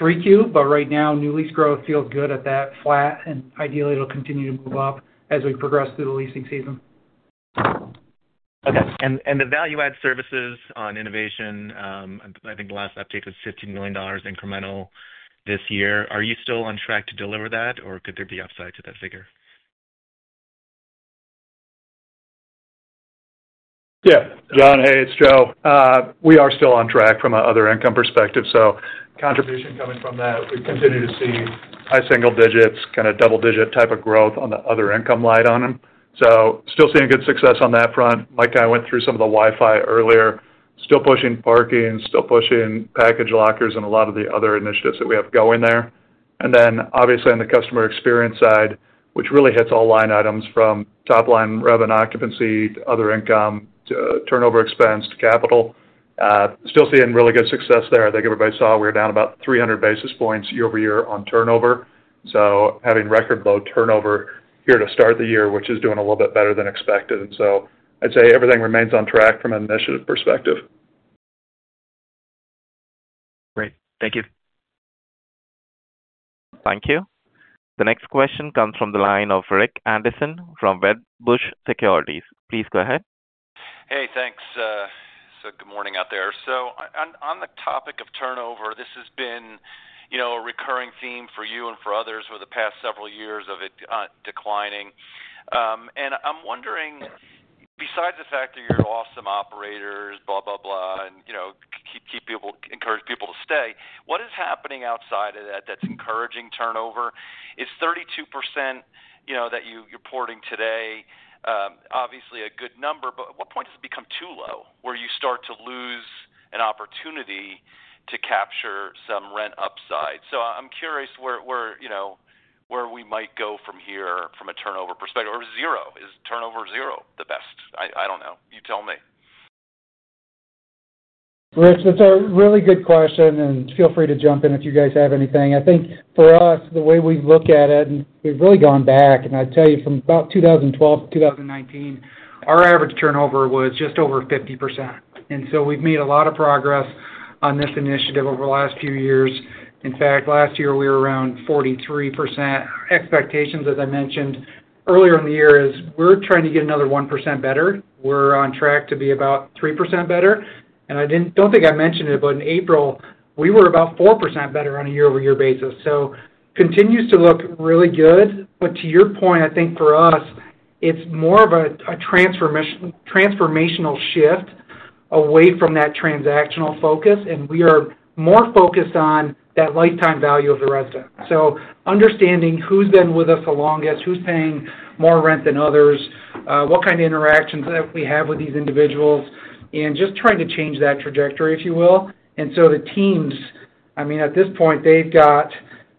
Speaker 4: 3Q. Right now, new lease growth feels good at that flat, and ideally, it'll continue to move up as we progress through the leasing season.
Speaker 11: Okay. The value-add services on innovation, I think the last update was $15 million incremental this year. Are you still on track to deliver that, or could there be upside to that figure?
Speaker 5: Yeah. John, hey, it's Joe. We are still on track from an other-income perspective. Contribution coming from that, we continue to see high single digits, kind of double-digit type of growth on the other-income line item. Still seeing good success on that front. Mike and I went through some of the Wi-Fi earlier, still pushing parking, still pushing package lockers, and a lot of the other initiatives that we have going there. Obviously, on the customer experience side, which really hits all line items from top-line revenue occupancy to other income to turnover expense to capital, still seeing really good success there. I think everybody saw we were down about 300 basis points year over year on turnover. Having record-low turnover here to start the year, which is doing a little bit better than expected.
Speaker 11: I'd say everything remains on track from an initiative perspective. Great. Thank you.
Speaker 1: Thank you. The next question comes from the line of Rich Anderson from Wedbush Securities. Please go ahead.
Speaker 12: Hey, thanks. Good morning out there. On the topic of turnover, this has been a recurring theme for you and for others over the past several years of it declining. I'm wondering, besides the fact that you're awesome operators, blah, blah, blah, and encourage people to stay, what is happening outside of that that's encouraging turnover? It's 32% that you're reporting today, obviously a good number, but at what point does it become too low where you start to lose an opportunity to capture some rent upside? I'm curious where we might go from here from a turnover perspective. Is turnover zero the best? I don't know. You tell me.
Speaker 4: Rich, that's a really good question, and feel free to jump in if you guys have anything. I think for us, the way we've looked at it, and we've really gone back, and I'd tell you from about 2012 to 2019, our average turnover was just over 50%. And so we've made a lot of progress on this initiative over the last few years. In fact, last year, we were around 43%. Expectations, as I mentioned earlier in the year, is we're trying to get another 1% better. We're on track to be about 3% better. I don't think I mentioned it, but in April, we were about 4% better on a year-over-year basis. Continues to look really good. To your point, I think for us, it's more of a transformational shift away from that transactional focus, and we are more focused on that lifetime value of the resident. So understanding who's been with us the longest, who's paying more rent than others, what kind of interactions that we have with these individuals, and just trying to change that trajectory, if you will. The teams, I mean, at this point, they've got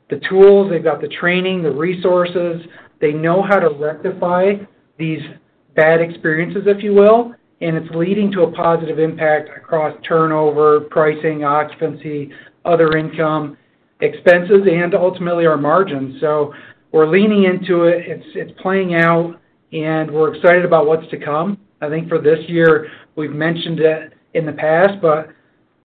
Speaker 4: the tools, they've got the training, the resources, they know how to rectify these bad experiences, if you will, and it's leading to a positive impact across turnover, pricing, occupancy, other income, expenses, and ultimately our margins. We're leaning into it. It's playing out, and we're excited about what's to come. I think for this year, we've mentioned it in the past, but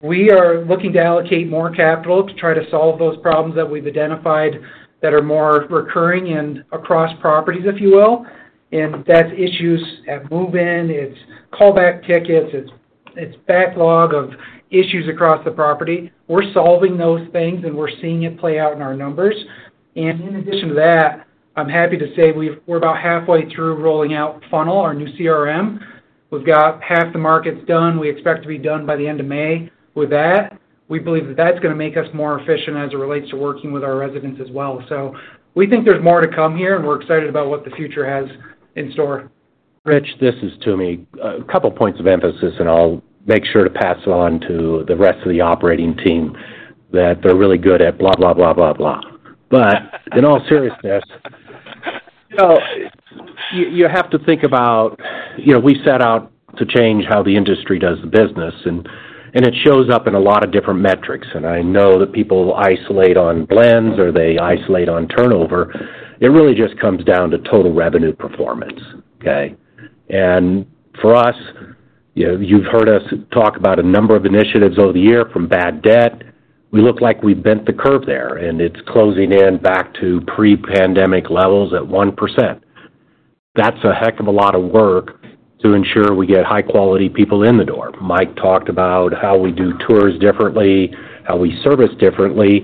Speaker 4: we are looking to allocate more capital to try to solve those problems that we've identified that are more recurring and across properties, if you will. That's issues at move-in. It's callback tickets. It's backlog of issues across the property. We're solving those things, and we're seeing it play out in our numbers. In addition to that, I'm happy to say we're about halfway through rolling out Funnel, our new CRM. We've got half the markets done. We expect to be done by the end of May with that. We believe that that's going to make us more efficient as it relates to working with our residents as well. We think there's more to come here, and we're excited about what the future has in store.
Speaker 5: Rich, this is Toomey. A couple of points of emphasis, and I'll make sure to pass it on to the rest of the operating team that they're really good at blah, blah, blah, blah, blah. In all seriousness, you have to think about we set out to change how the industry does the business, and it shows up in a lot of different metrics. I know that people isolate on blends or they isolate on turnover. It really just comes down to total revenue performance. Okay? For us, you've heard us talk about a number of initiatives over the year from bad debt. We look like we've bent the curve there, and it's closing in back to pre-pandemic levels at 1%. That's a heck of a lot of work to ensure we get high-quality people in the door. Mike talked about how we do tours differently, how we service differently,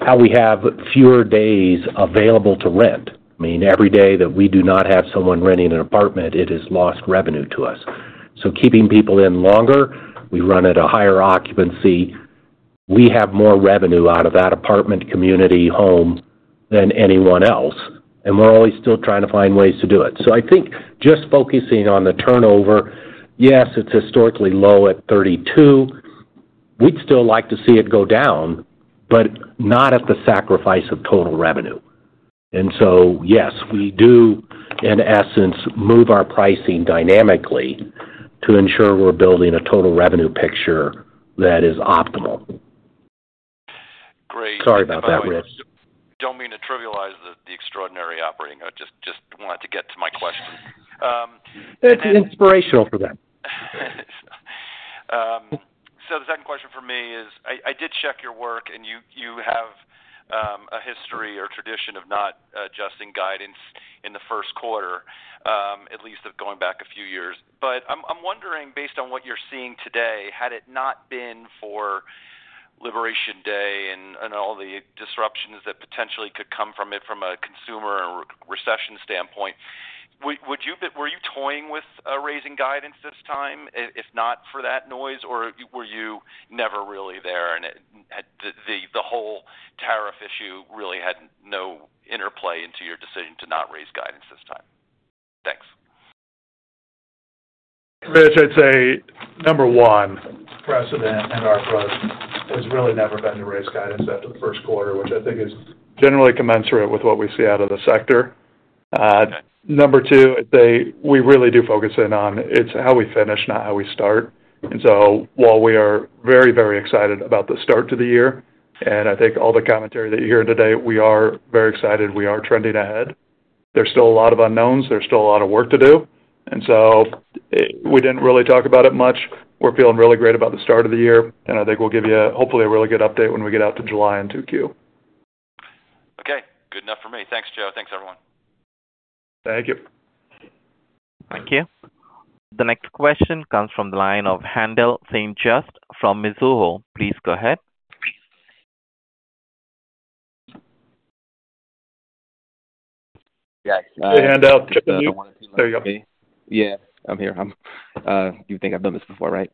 Speaker 5: how we have fewer days available to rent. I mean, every day that we do not have someone renting an apartment, it has lost revenue to us. Keeping people in longer, we run at a higher occupancy. We have more revenue out of that apartment community home than anyone else. We are always still trying to find ways to do it. I think just focusing on the turnover, yes, it is historically low at 32%. We would still like to see it go down, but not at the sacrifice of total revenue. Yes, we do, in essence, move our pricing dynamically to ensure we are building a total revenue picture that is optimal. Sorry about that, Rich.
Speaker 12: Don't mean to trivialize the extraordinary operating. I just wanted to get to my question.
Speaker 4: It's inspirational for them.
Speaker 12: The second question for me is, I did check your work, and you have a history or tradition of not adjusting guidance in the first quarter, at least of going back a few years. I am wondering, based on what you are seeing today, had it not been for Election Day and all the disruptions that potentially could come from it from a consumer or recession standpoint, were you toying with raising guidance this time if not for that noise, or were you never really there and the whole tariff issue really had no interplay into your decision to not raise guidance this time? Thanks.
Speaker 5: Rich, I'd say number one, precedent in our book has really never been to raise guidance after the first quarter, which I think is generally commensurate with what we see out of the sector. Number two, I'd say we really do focus in on it's how we finish, not how we start. While we are very, very excited about the start to the year, and I think all the commentary that you hear today, we are very excited. We are trending ahead. There's still a lot of unknowns. There's still a lot of work to do. We didn't really talk about it much. We're feeling really great about the start of the year, and I think we'll give you hopefully a really good update when we get out to July and two queue.
Speaker 12: Okay. Good enough for me. Thanks, Joe. Thanks, everyone.
Speaker 5: Thank you.
Speaker 1: Thank you. The next question comes from the line of Haendel St. Juste from Mizuho. Please go ahead.
Speaker 13: Yes.
Speaker 5: Hey, Haendel. There you go.
Speaker 13: Yeah. I'm here. You think I've done this before, right?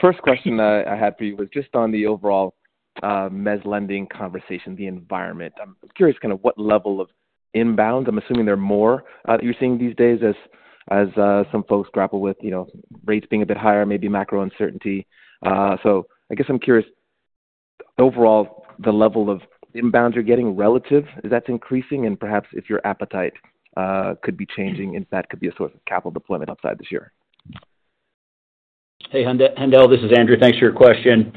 Speaker 13: First question I had for you was just on the overall mezz lending conversation, the environment. I'm curious kind of what level of inbound. I'm assuming there are more that you're seeing these days as some folks grapple with rates being a bit higher, maybe macro uncertainty. I guess I'm curious, overall, the level of inbound you're getting relative, is that increasing? Perhaps if your appetite could be changing, if that could be a source of capital deployment outside this year.
Speaker 14: Hey, Haendel. This is Andrew. Thanks for your question.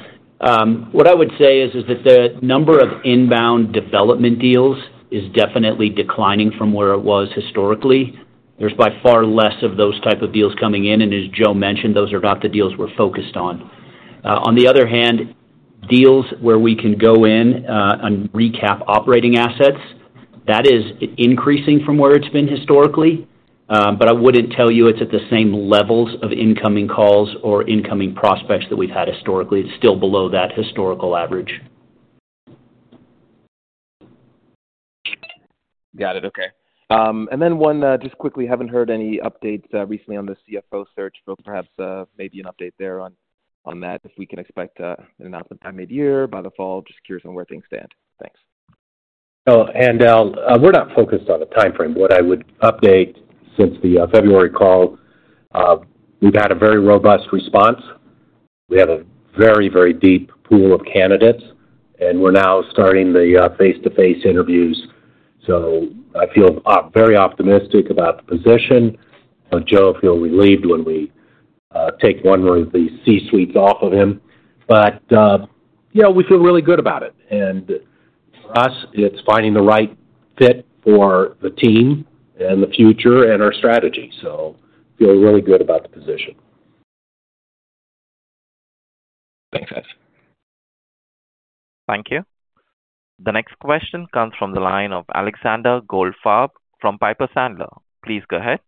Speaker 14: What I would say is that the number of inbound development deals is definitely declining from where it was historically. There is by far less of those type of deals coming in. As Joe mentioned, those are not the deals we're focused on. On the other hand, deals where we can go in and recap operating assets, that is increasing from where it's been historically. I would not tell you it's at the same levels of incoming calls or incoming prospects that we've had historically. It's still below that historical average.
Speaker 13: Got it. Okay. And then just quickly, haven't heard any updates recently on the CFO search. Perhaps maybe an update there on that, if we can expect an announcement by mid-year, by the fall. Just curious on where things stand. Thanks.
Speaker 15: Haendel, we're not focused on a time frame. What I would update since the February call, we've had a very robust response. We have a very, very deep pool of candidates, and we're now starting the face-to-face interviews. I feel very optimistic about the position. Joe will feel relieved when we take one of the C-suites off of him. We feel really good about it. For us, it's finding the right fit for the team and the future and our strategy. I feel really good about the position.
Speaker 13: Thanks, guys.
Speaker 3: Thank you. The next question comes from the line of Alexander Goldfarb from Piper Sandler. Please go ahead.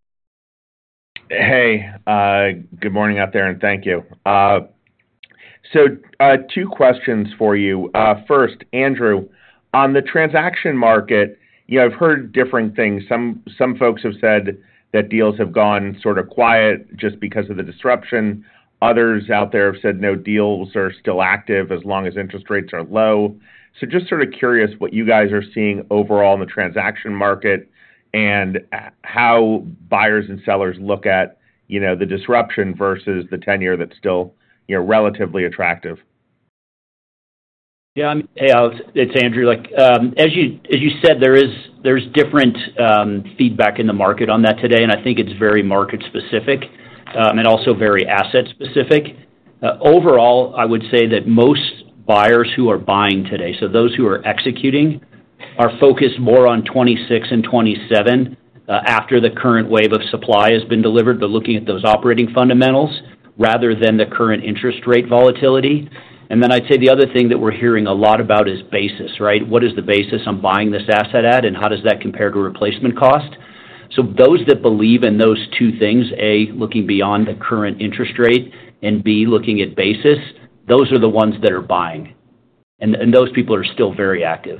Speaker 16: Hey. Good morning out there, and thank you. Two questions for you. First, Andrew, on the transaction market, I've heard different things. Some folks have said that deals have gone sort of quiet just because of the disruption. Others out there have said no, deals are still active as long as interest rates are low. Just sort of curious what you guys are seeing overall in the transaction market and how buyers and sellers look at the disruption versus the tenure that's still relatively attractive.
Speaker 14: Yeah. Hey, it's Andrew. As you said, there's different feedback in the market on that today, and I think it's very market-specific and also very asset-specific. Overall, I would say that most buyers who are buying today, so those who are executing, are focused more on '26 and '27 after the current wave of supply has been delivered, but looking at those operating fundamentals rather than the current interest rate volatility. I would say the other thing that we're hearing a lot about is basis, right? What is the basis I'm buying this asset at, and how does that compare to replacement cost? Those that believe in those two things, A, looking beyond the current interest rate, and B, looking at basis, those are the ones that are buying. Those people are still very active.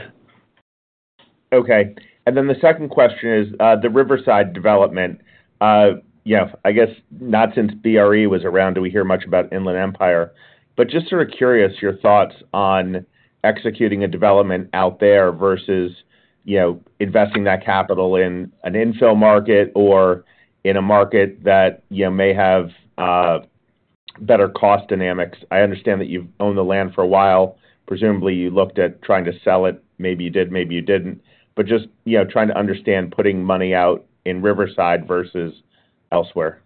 Speaker 16: Okay. The second question is the Riverside development. I guess not since BRE was around do we hear much about Inland Empire. Just sort of curious your thoughts on executing a development out there versus investing that capital in an infill market or in a market that may have better cost dynamics. I understand that you've owned the land for a while. Presumably, you looked at trying to sell it. Maybe you did. Maybe you didn't. Just trying to understand putting money out in Riverside versus elsewhere.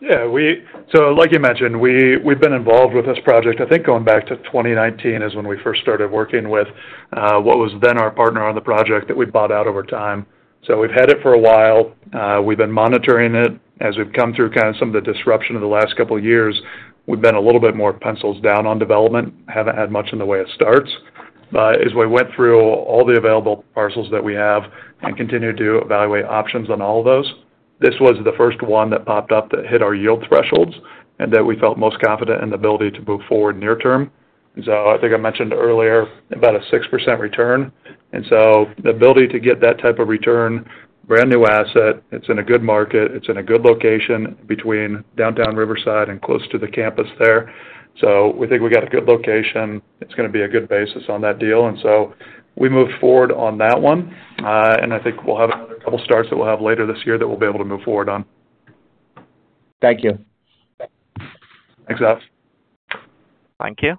Speaker 5: Yeah. Like you mentioned, we've been involved with this project. I think going back to 2019 is when we first started working with what was then our partner on the project that we bought out over time. We've had it for a while. We've been monitoring it. As we've come through kind of some of the disruption of the last couple of years, we've been a little bit more pencils down on development, haven't had much in the way of starts. As we went through all the available parcels that we have and continued to evaluate options on all of those, this was the first one that popped up that hit our yield thresholds and that we felt most confident in the ability to move forward near term. I think I mentioned earlier about a 6% return. The ability to get that type of return, brand new asset, it's in a good market. It's in a good location between downtown Riverside and close to the campus there. We think we got a good location. It's going to be a good basis on that deal. We moved forward on that one. I think we'll have a couple of starts that we'll have later this year that we'll be able to move forward on.
Speaker 16: Thank you.
Speaker 5: Thanks, guys.
Speaker 3: Thank you.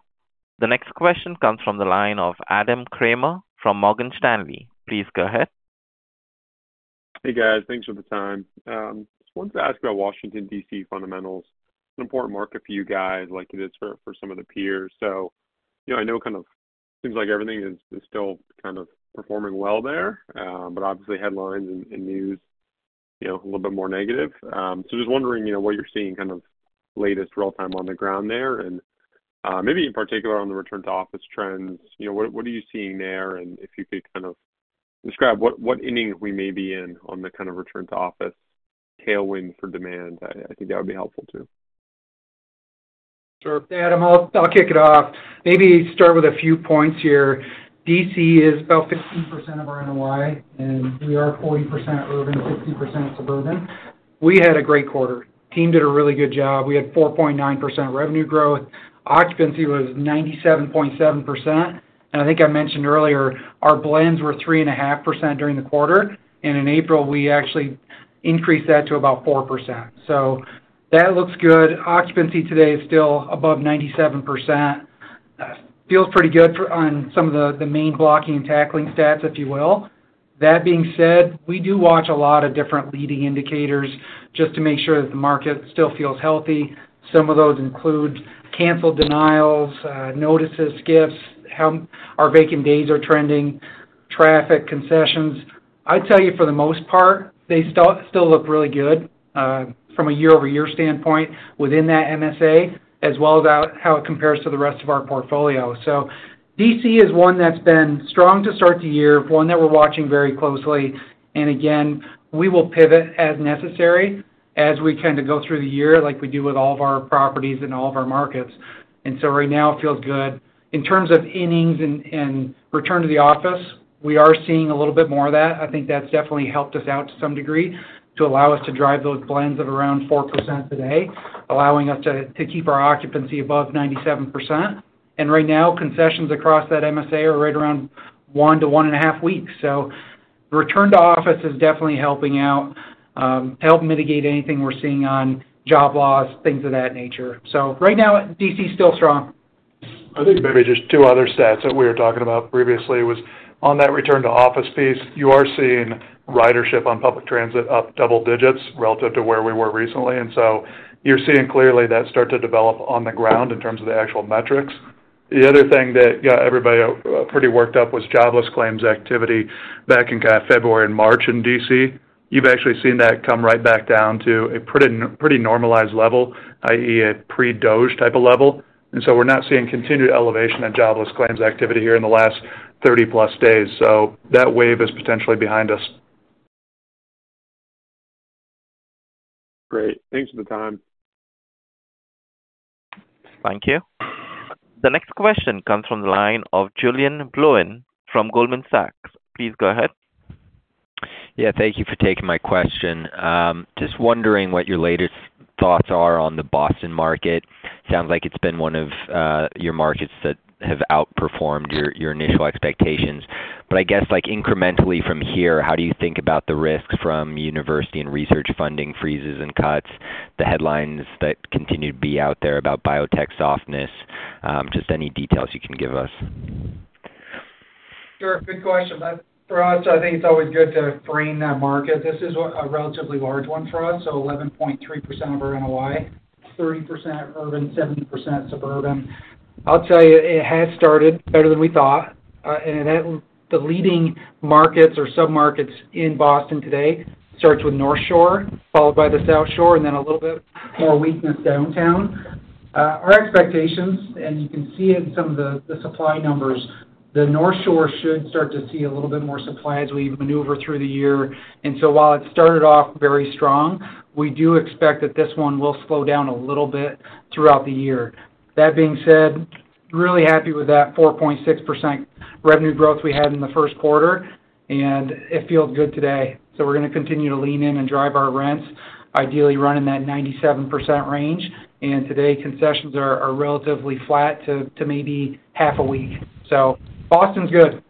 Speaker 3: The next question comes from the line of Adam Kramer from Morgan Stanley. Please go ahead.
Speaker 17: Hey, guys. Thanks for the time. Just wanted to ask about Washington, D.C. fundamentals. It's an important market for you guys, like it is for some of the peers. I know kind of seems like everything is still kind of performing well there, but obviously headlines and news a little bit more negative. Just wondering what you're seeing kind of latest real-time on the ground there and maybe in particular on the return to office trends. What are you seeing there? If you could kind of describe what inning we may be in on the kind of return to office, tailwind for demand, I think that would be helpful too.
Speaker 4: Sure. Adam, I'll kick it off. Maybe start with a few points here. DC is about 15% of our NOI, and we are 40% urban, 50% suburban. We had a great quarter. Team did a really good job. We had 4.9% revenue growth. Occupancy was 97.7%. I think I mentioned earlier, our blends were 3.5% during the quarter. In April, we actually increased that to about 4%. That looks good. Occupancy today is still above 97%. Feels pretty good on some of the main blocking and tackling stats, if you will. That being said, we do watch a lot of different leading indicators just to make sure that the market still feels healthy. Some of those include cancel denials, notices, skips, how our vacant days are trending, traffic, concessions. I'd tell you for the most part, they still look really good from a year-over-year standpoint within that MSA, as well as how it compares to the rest of our portfolio. DC is one that's been strong to start the year, one that we're watching very closely. Again, we will pivot as necessary as we kind of go through the year, like we do with all of our properties and all of our markets. Right now, it feels good. In terms of innings and return to the office, we are seeing a little bit more of that. I think that's definitely helped us out to some degree to allow us to drive those blends of around 4% today, allowing us to keep our occupancy above 97%. Right now, concessions across that MSA are right around one to one and a half weeks. The return to office is definitely helping out to help mitigate anything we're seeing on job loss, things of that nature. So right now, DC is still strong.
Speaker 5: I think maybe just two other stats that we were talking about previously was on that return to office piece, you are seeing ridership on public transit up double digits relative to where we were recently. You are seeing clearly that start to develop on the ground in terms of the actual metrics. The other thing that got everybody pretty worked up was jobless claims activity back in kind of February and March in DC. You have actually seen that come right back down to a pretty normalized level, i.e., a pre-COVID type of level. We are not seeing continued elevation in jobless claims activity here in the last 30-plus days. That wave is potentially behind us.
Speaker 17: Great. Thanks for the time.
Speaker 1: Thank you. The next question comes from the line of Julien Blouin from Goldman Sachs. Please go ahead.
Speaker 18: Yeah. Thank you for taking my question. Just wondering what your latest thoughts are on the Boston market. Sounds like it's been one of your markets that have outperformed your initial expectations. I guess incrementally from here, how do you think about the risks from university and research funding freezes and cuts, the headlines that continue to be out there about biotech softness, just any details you can give us?
Speaker 4: Sure. Good question. For us, I think it's always good to frame that market. This is a relatively large one for us. So 11.3% of our NOI, 30% urban, 70% suburban. I'll tell you, it has started better than we thought. The leading markets or submarkets in Boston today start with North Shore, followed by the South Shore, and then a little bit more weakness downtown. Our expectations, and you can see it in some of the supply numbers, the North Shore should start to see a little bit more supply as we maneuver through the year. While it started off very strong, we do expect that this one will slow down a little bit throughout the year. That being said, really happy with that 4.6% revenue growth we had in the first quarter. It feels good today.
Speaker 18: We're going to continue to lean in and drive our rents, ideally running that 97% range. Today, concessions are relatively flat to maybe half a week. Boston's good.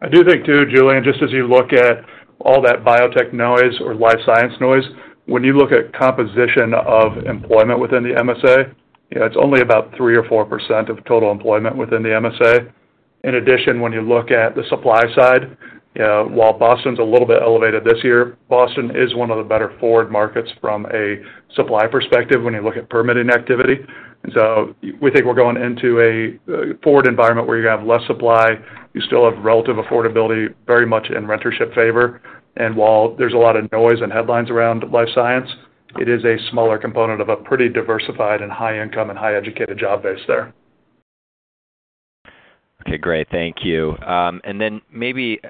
Speaker 5: I do think too, Julien, just as you look at all that biotech noise or life science noise, when you look at composition of employment within the MSA, it's only about 3% or 4% of total employment within the MSA. In addition, when you look at the supply side, while Boston's a little bit elevated this year, Boston is one of the better forward markets from a supply perspective when you look at permitting activity. We think we're going into a forward environment where you have less supply. You still have relative affordability very much in rentership favor. While there's a lot of noise and headlines around life science, it is a smaller component of a pretty diversified and high-income and high-educated job base there.
Speaker 18: Okay. Great. Thank you. Maybe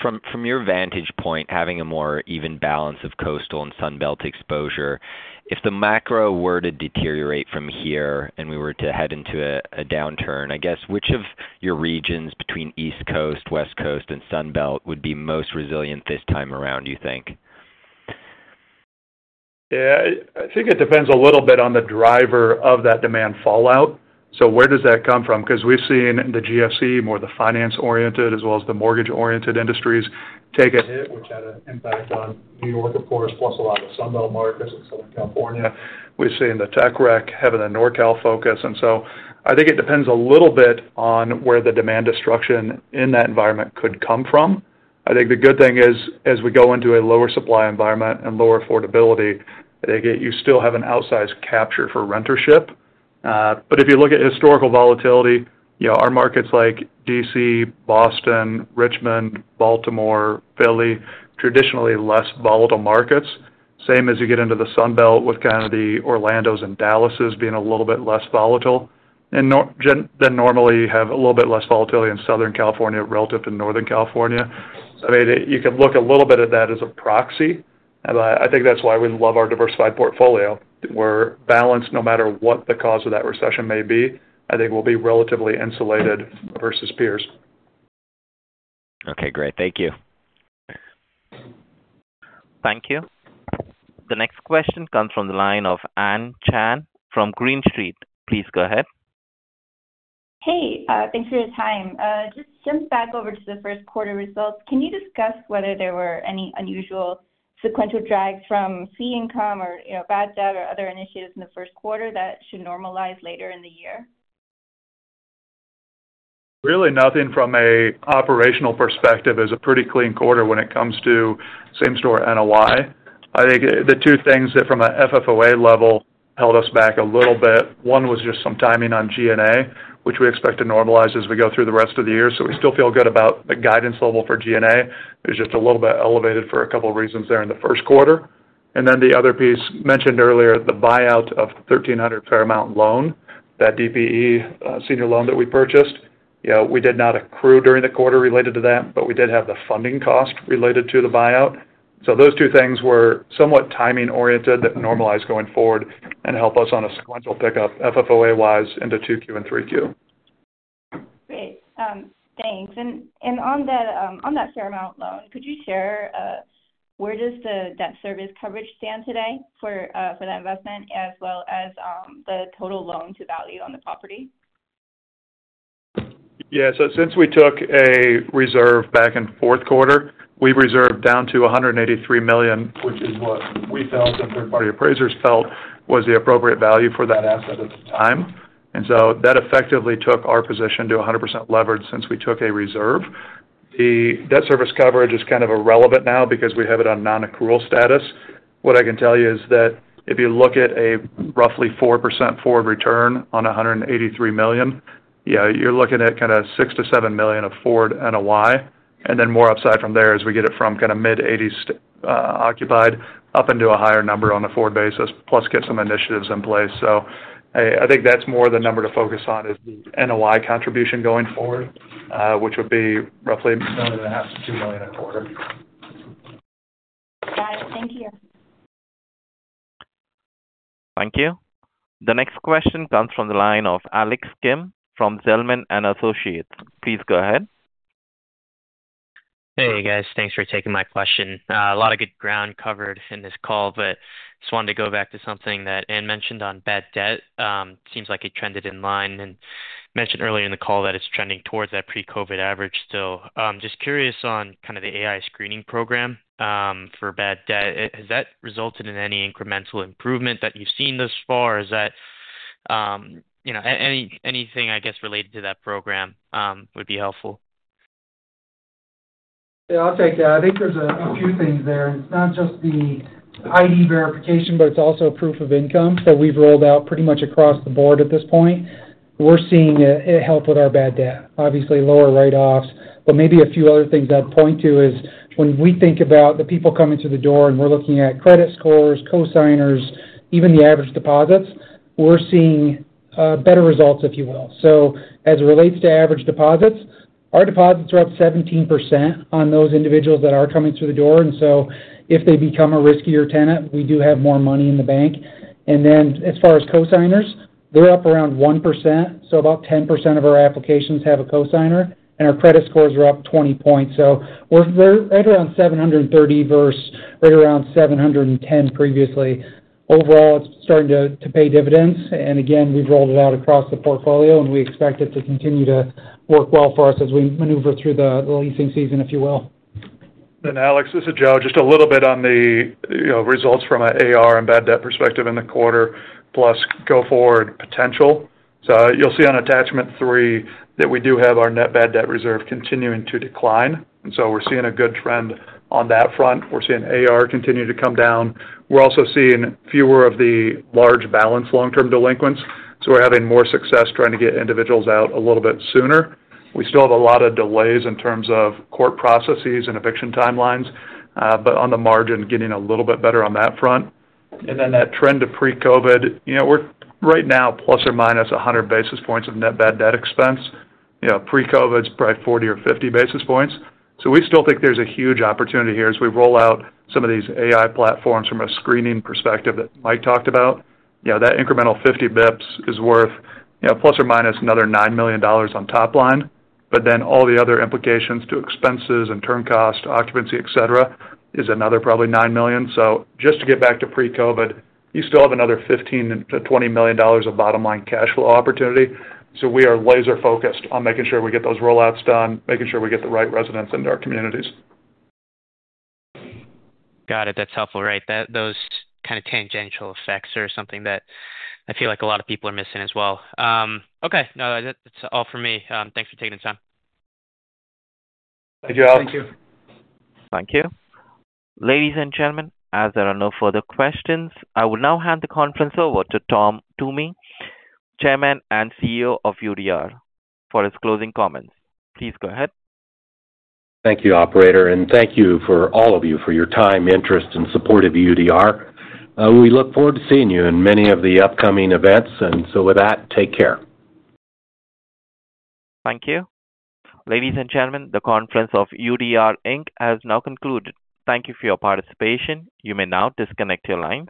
Speaker 18: from your vantage point, having a more even balance of coastal and Sun Belt exposure, if the macro were to deteriorate from here and we were to head into a downturn, I guess which of your regions between East Coast, West Coast, and Sun Belt would be most resilient this time around, you think?
Speaker 5: Yeah. I think it depends a little bit on the driver of that demand fallout. Where does that come from? Because we've seen the GFC, more of the finance-oriented as well as the mortgage-oriented industries take a hit, which had an impact on New York, of course, plus a lot of the Sun Belt markets in Southern California. We've seen the tech rec having a NorCal focus. I think it depends a little bit on where the demand destruction in that environment could come from. I think the good thing is as we go into a lower supply environment and lower affordability, you still have an outsized capture for rentership. If you look at historical volatility, our markets like DC, Boston, Richmond, Baltimore, Philly, traditionally less volatile markets. Same as you get into the Sun Belt with kind of the Orlandos and Dallases being a little bit less volatile. I mean, you can look a little bit at that as a proxy. I think that's why we love our diversified portfolio. We're balanced no matter what the cause of that recession may be. I think we'll be relatively insulated versus peers.
Speaker 18: Okay. Great. Thank you.
Speaker 1: Thank you. The next question comes from the line of Ann Chan from Green Street. Please go ahead.
Speaker 19: Hey. Thanks for your time. Just jumping back over to the first quarter results, can you discuss whether there were any unusual sequential drags from fee income or bad debt or other initiatives in the first quarter that should normalize later in the year?
Speaker 5: Really nothing from an operational perspective is a pretty clean quarter when it comes to same-store NOI. I think the two things that from an FFOA level held us back a little bit, one was just some timing on G&A, which we expect to normalize as we go through the rest of the year. We still feel good about the guidance level for G&A. It was just a little bit elevated for a couple of reasons there in the first quarter. The other piece mentioned earlier, the buyout of 1300 Fairmount Loan, that DPE senior loan that we purchased. We did not accrue during the quarter related to that, but we did have the funding cost related to the buyout. Those two things were somewhat timing-oriented that normalize going forward and help us on a sequential pickup FFOA-wise into 2Q and 3Q.
Speaker 19: Great. Thanks. On that Fairmount Loan, could you share where does the debt service coverage stand today for that investment as well as the total loan to value on the property?
Speaker 5: Yeah. Since we took a reserve back in fourth quarter, we've reserved down to $183 million, which is what we felt and third-party appraisers felt was the appropriate value for that asset at the time. That effectively took our position to 100% levered since we took a reserve. The debt service coverage is kind of irrelevant now because we have it on non-accrual status. What I can tell you is that if you look at a roughly 4% forward return on $183 million, yeah, you're looking at kind of $6 million-$7 million of forward NOI. More upside from there as we get it from kind of mid-80s occupied up into a higher number on the forward basis, plus get some initiatives in place. I think that's more the number to focus on is the NOI contribution going forward, which would be roughly $1.5 million-$2 million a quarter.
Speaker 19: Got it. Thank you.
Speaker 1: Thank you. The next question comes from the line of Alex Kim from Zelman & Associates. Please go ahead.
Speaker 20: Hey, guys. Thanks for taking my question. A lot of good ground covered in this call, just wanted to go back to something that Ann mentioned on bad debt. Seems like it trended in line. You mentioned earlier in the call that it's trending towards that pre-COVID average still. Just curious on kind of the AI screening program for bad debt. Has that resulted in any incremental improvement that you've seen thus far? Anything, I guess, related to that program would be helpful.
Speaker 4: Yeah. I'll take that. I think there's a few things there. It's not just the ID verification, but it's also proof of income that we've rolled out pretty much across the board at this point. We're seeing it help with our bad debt. Obviously, lower write-offs, but maybe a few other things I'd point to is when we think about the people coming through the door and we're looking at credit scores, co-signers, even the average deposits, we're seeing better results, if you will. As it relates to average deposits, our deposits are up 17% on those individuals that are coming through the door. If they become a riskier tenant, we do have more money in the bank. As far as co-signers, they're up around 1%. About 10% of our applications have a co-signer, and our credit scores are up 20 points. We are right around 730 versus right around 710 previously. Overall, it is starting to pay dividends. Again, we have rolled it out across the portfolio, and we expect it to continue to work well for us as we maneuver through the leasing season, if you will.
Speaker 5: Alex, this is Joe. Just a little bit on the results from an AR and bad debt perspective in the quarter plus go forward potential. You will see on attachment three that we do have our net bad debt reserve continuing to decline. We are seeing a good trend on that front. We are seeing AR continue to come down. We are also seeing fewer of the large balance long-term delinquents. We are having more success trying to get individuals out a little bit sooner. We still have a lot of delays in terms of court processes and eviction timelines, but on the margin, getting a little bit better on that front. That trend to pre-COVID, we are right now plus or minus 100 basis points of net bad debt expense. Pre-COVID, it is probably 40 or 50 basis points. We still think there's a huge opportunity here as we roll out some of these AI platforms from a screening perspective that Mike talked about. That incremental 50 basis points is worth plus or minus another $9 million on top line. All the other implications to expenses and turn cost, occupancy, etc., is another probably $9 million. Just to get back to pre-COVID, you still have another $15-$20 million of bottom-line cash flow opportunity. We are laser-focused on making sure we get those rollouts done, making sure we get the right residents into our communities.
Speaker 20: Got it. That's helpful, right? Those kind of tangential effects are something that I feel like a lot of people are missing as well. Okay. No, that's all for me. Thanks for taking the time.
Speaker 5: Thank you.
Speaker 3: Thank you.
Speaker 1: Thank you. Ladies and gentlemen, as there are no further questions, I will now hand the conference over to Tom Toomey, Chairman and CEO of UDR, for his closing comments. Please go ahead.
Speaker 3: Thank you, Operator. Thank you for all of you for your time, interest, and support of UDR. We look forward to seeing you in many of the upcoming events. With that, take care.
Speaker 1: Thank you. Ladies and gentlemen, the conference of UDR has now concluded. Thank you for your participation. You may now disconnect your line.